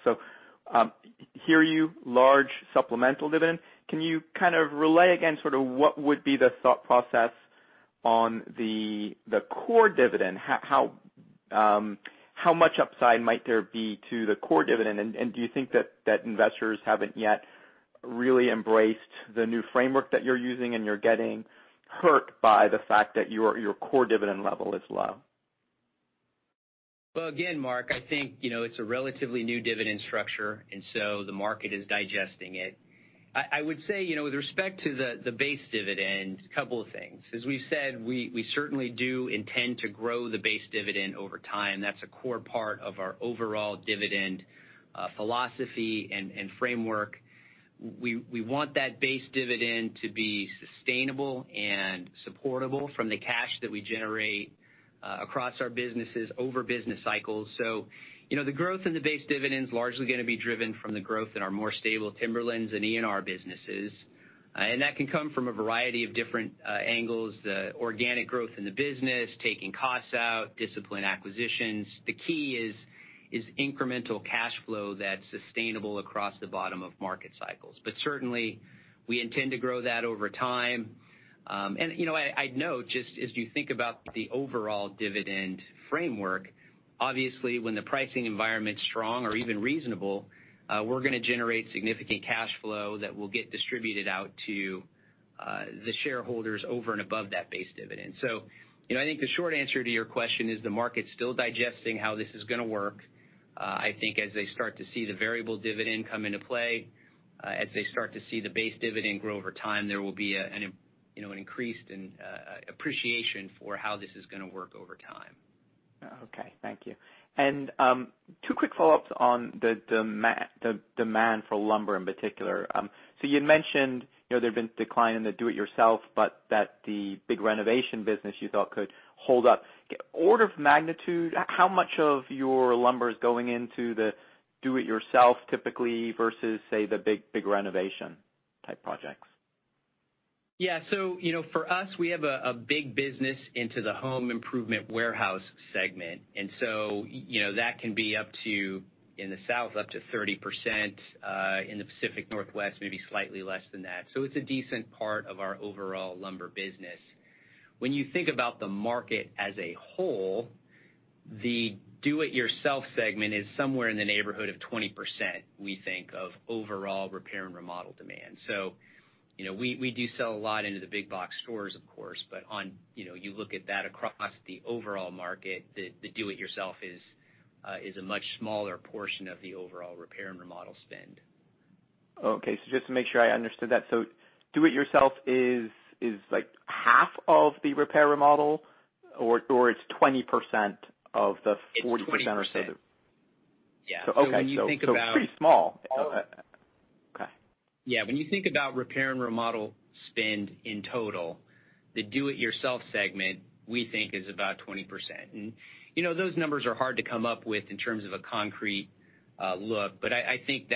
Hear you, large supplemental dividend. Can you kind of relay again sort of what would be the thought process on the core dividend? How much upside might there be to the core dividend? Do you think that investors haven't yet really embraced the new framework that you're using, and you're getting hurt by the fact that your core dividend level is low? Well, again, Mark, I think it's a relatively new dividend structure, and so the market is digesting it. I would say with respect to the base dividend, couple of things. As we've said, we certainly do intend to grow the base dividend over time. That's a core part of our overall dividend philosophy and framework. We want that base dividend to be sustainable and supportable from the cash that we generate across our businesses over business cycles. The growth in the base dividend's largely going to be driven from the growth in our more stable Timberlands and ENR businesses. That can come from a variety of different angles, the organic growth in the business, taking costs out, disciplined acquisitions. The key is incremental cash flow that's sustainable across the bottom of market cycles. Certainly we intend to grow that over time. I'd note, just as you think about the overall dividend framework, obviously, when the pricing environment's strong or even reasonable, we're going to generate significant cash flow that will get distributed out to the shareholders over and above that base dividend. I think the short answer to your question is the market's still digesting how this is going to work. I think as they start to see the variable dividend come into play, as they start to see the base dividend grow over time, there will be an increased appreciation for how this is going to work over time. Thank you. Two quick follow-ups on the demand for lumber in particular. You had mentioned there'd been decline in the do-it-yourself, but that the big renovation business you thought could hold up. Order of magnitude, how much of your lumber is going into the do-it-yourself typically versus, say, the big renovation type projects? Yeah. For us, we have a big business into the Home Improvement Warehouse segment, that can be up to, in the south, up to 30%, in the Pacific Northwest, maybe slightly less than that. It's a decent part of our overall lumber business. When you think about the market as a whole, the Do-It-Yourself segment is somewhere in the neighborhood of 20%, we think, of overall Repair and Remodel demand. We do sell a lot into the big box stores, of course, you look at that across the overall market, the Do-It-Yourself is a much smaller portion of the overall Repair and Remodel spend. Okay. Just to make sure I understood that, do-it-yourself is half of the repair remodel, or it's 20% of the 40% or so? It's 20%. Yeah. Okay. So when you think about... Pretty small. Okay. Yeah. When you think about repair and remodel spend in total, the do-it-yourself segment, we think, is about 20%. Those numbers are hard to come up with in terms of a concrete look, but I think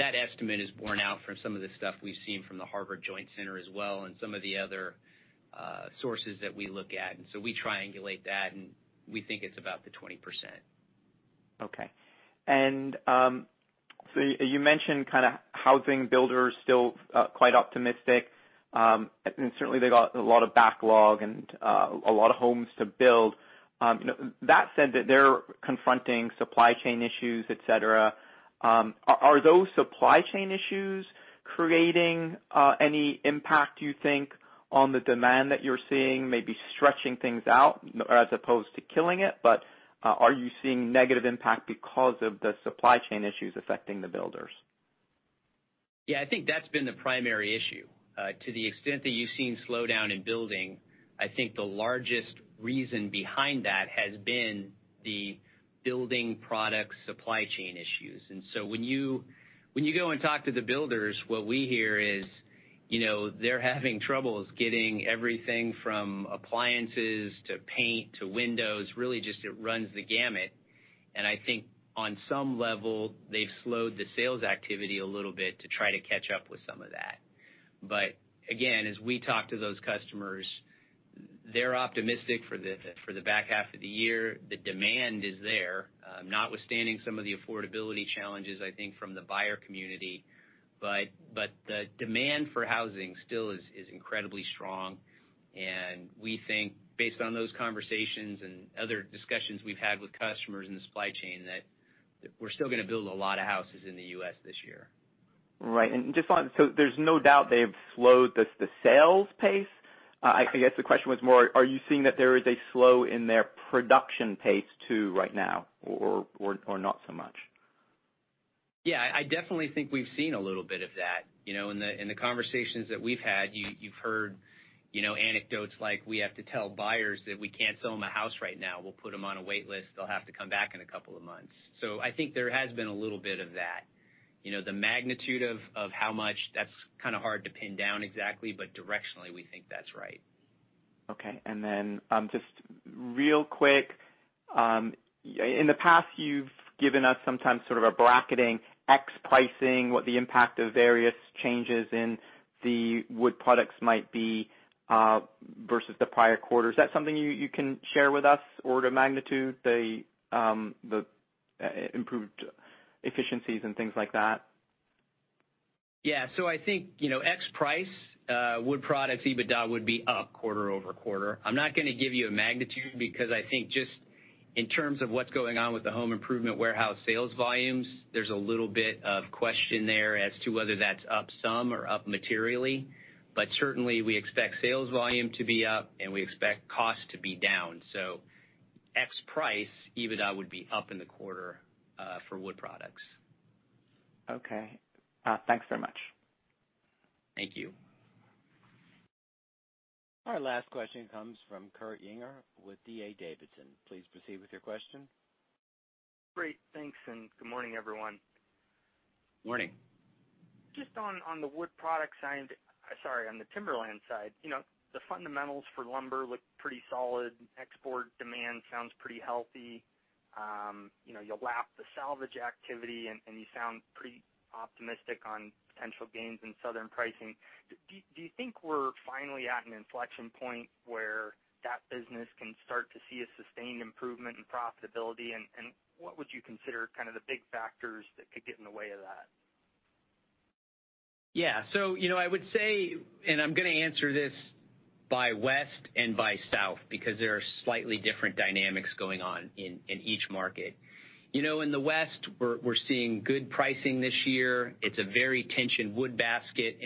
that estimate is borne out from some of the stuff we've seen from the Harvard Joint Center as well and some of the other sources that we look at. We triangulate that, and we think it's about the 20%. Okay. You mentioned kind of housing builders still quite optimistic. Certainly they got a lot of backlog and a lot of homes to build. That said, they're confronting supply chain issues, et cetera. Are those supply chain issues creating any impact, you think, on the demand that you're seeing, maybe stretching things out as opposed to killing it? Are you seeing negative impact because of the supply chain issues affecting the builders? Yeah. I think that's been the primary issue. To the extent that you've seen slowdown in building, I think the largest reason behind that has been the building product supply chain issues. When you go and talk to the builders, what we hear is they're having troubles getting everything from appliances to paint to windows, really just it runs the gamut. I think on some level, they've slowed the sales activity a little bit to try to catch up with some of that. Again, as we talk to those customers, they're optimistic for the back half of the year. The demand is there, notwithstanding some of the affordability challenges, I think, from the buyer community. The demand for housing still is incredibly strong, and we think based on those conversations and other discussions we've had with customers in the supply chain, that we're still going to build a lot of houses in the U.S. this year. Right. Just on, there's no doubt they've slowed the sales pace. I guess the question was more, are you seeing that there is a slow in their production pace, too, right now or not so much? Yeah. I definitely think we've seen a little bit of that. In the conversations that we've had, you've heard anecdotes like we have to tell buyers that we can't sell them a house right now. We'll put them on a wait list. They'll have to come back in a couple of months. I think there has been a little bit of that. The magnitude of how much, that's kind of hard to pin down exactly, but directionally, we think that's right. Okay. Then, just real quick. In the past, you've given us sometimes sort of a bracketing ex pricing, what the impact of various changes in the Wood Products might be versus the prior quarter. Is that something you can share with us? Order magnitude, the improved efficiencies, and things like that? Yeah. I think ex price Wood Products EBITDA would be up quarter-over-quarter. I'm not going to give you a magnitude because I think just in terms of what's going on with the home improvement warehouse sales volumes, there's a little bit of question there as to whether that's up some or up materially. Certainly, we expect sales volume to be up and we expect cost to be down. Ex price, EBITDA would be up in the quarter for Wood Products. Okay. Thanks so much. Thank you. Our last question comes from Kurt Yinger with D.A. Davidson. Please proceed with your question. Great. Thanks, and good morning, everyone. Morning. Just on the Wood Products side, sorry, on the Timberlands side. The fundamentals for lumber look pretty solid. Export demand sounds pretty healthy. You lap the salvage activity, and you sound pretty optimistic on potential gains in southern pricing. Do you think we're finally at an inflection point where that business can start to see a sustained improvement in profitability? What would you consider kind of the big factors that could get in the way of that? I would say, and I'm going to answer this by West and by South, because there are slightly different dynamics going on in each market. In the West, we're seeing good pricing this year. It's a very tensioned wood basket.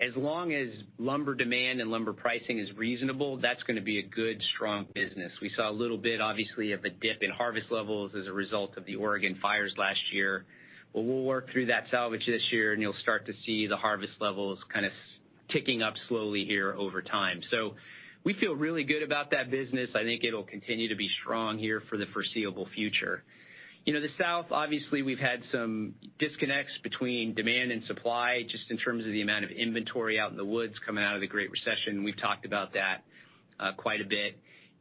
As long as lumber demand and lumber pricing is reasonable, that's going to be a good, strong business. We saw a little bit, obviously, of a dip in harvest levels as a result of the Oregon fires last year. We'll work through that salvage this year, and you'll start to see the harvest levels kind of ticking up slowly here over time. We feel really good about that business. I think it'll continue to be strong here for the foreseeable future. The South, obviously, we've had some disconnects between demand and supply, just in terms of the amount of inventory out in the woods coming out of the Great Recession. We've talked about that quite a bit.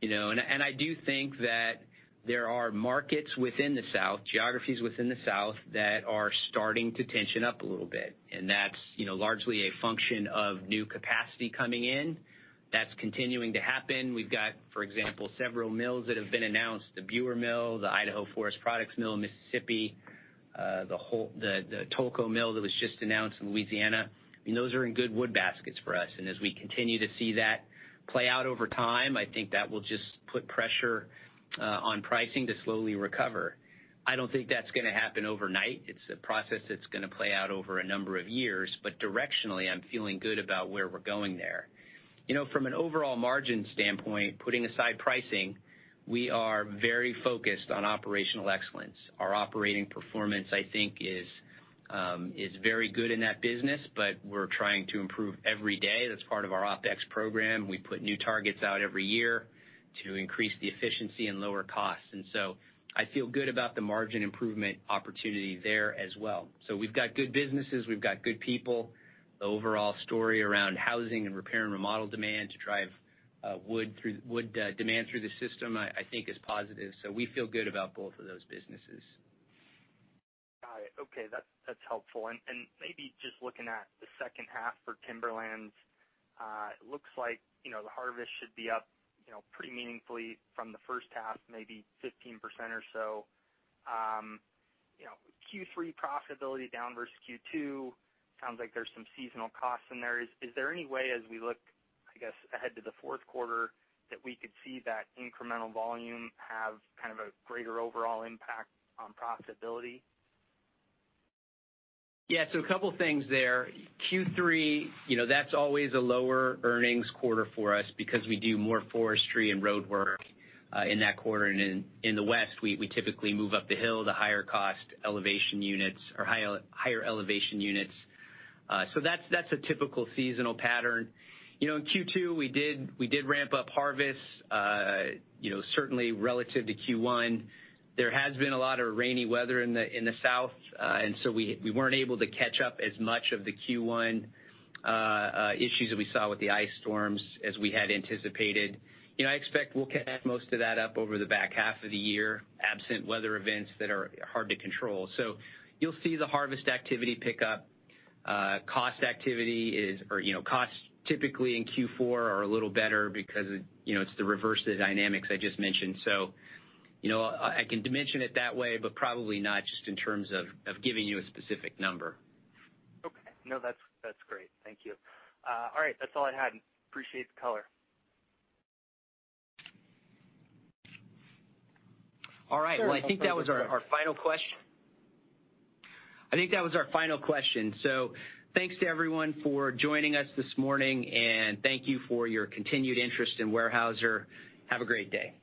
I do think that there are markets within the South, geographies within the South that are starting to tension up a little bit. That's largely a function of new capacity coming in. That's continuing to happen. We've got, for example, several mills that have been announced, the Biewer mill, the Idaho Forest Group mill in Mississippi, the Tolko mill that was just announced in Louisiana. Those are in good wood baskets for us. As we continue to see that play out over time, I think that will just put pressure on pricing to slowly recover. I don't think that's going to happen overnight. It's a process that's going to play out over a number of years, but directionally, I'm feeling good about where we're going there. From an overall margin standpoint, putting aside pricing, we are very focused on operational excellence. Our operating performance, I think, is very good in that business, but we're trying to improve every day. That's part of our OPEX program. We put new targets out every year to increase the efficiency and lower costs. I feel good about the margin improvement opportunity there as well. We've got good businesses, we've got good people. The overall story around housing and repair and remodel demand to drive wood demand through the system, I think is positive. We feel good about both of those businesses. Got it. Okay. That's helpful. Maybe just looking at the second half for Timberlands. It looks like the harvest should be up pretty meaningfully from the first half, maybe 15% or so. Q3 profitability down versus Q2 sounds like there's some seasonal costs in there. Is there any way, as we look, I guess, ahead to the fourth quarter, that we could see that incremental volume have kind of a greater overall impact on profitability? Yeah. A couple things there. Q3 that's always a lower earnings quarter for us because we do more forestry and roadwork in that quarter. In the West, we typically move up the hill to higher cost elevation units or higher elevation units. That's a typical seasonal pattern. In Q2, we did ramp up harvest certainly relative to Q1. There has been a lot of rainy weather in the South. We weren't able to catch up as much of the Q1 issues that we saw with the ice storms as we had anticipated. I expect we'll catch most of that up over the back half of the year, absent weather events that are hard to control. You'll see the harvest activity pick up. Cost activity or costs typically in Q4 are a little better because it's the reverse of the dynamics I just mentioned. I can dimension it that way, but probably not just in terms of giving you a specific number. Okay. No, that's great. Thank you. All right, that's all I had. Appreciate the color. All right. Well, I think that was our final question. Thanks to everyone for joining us this morning, and thank you for your continued interest in Weyerhaeuser. Have a great day.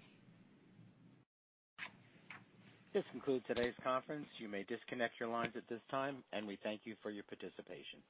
This concludes today's conference. You may disconnect your lines at this time, and we thank you for your participation.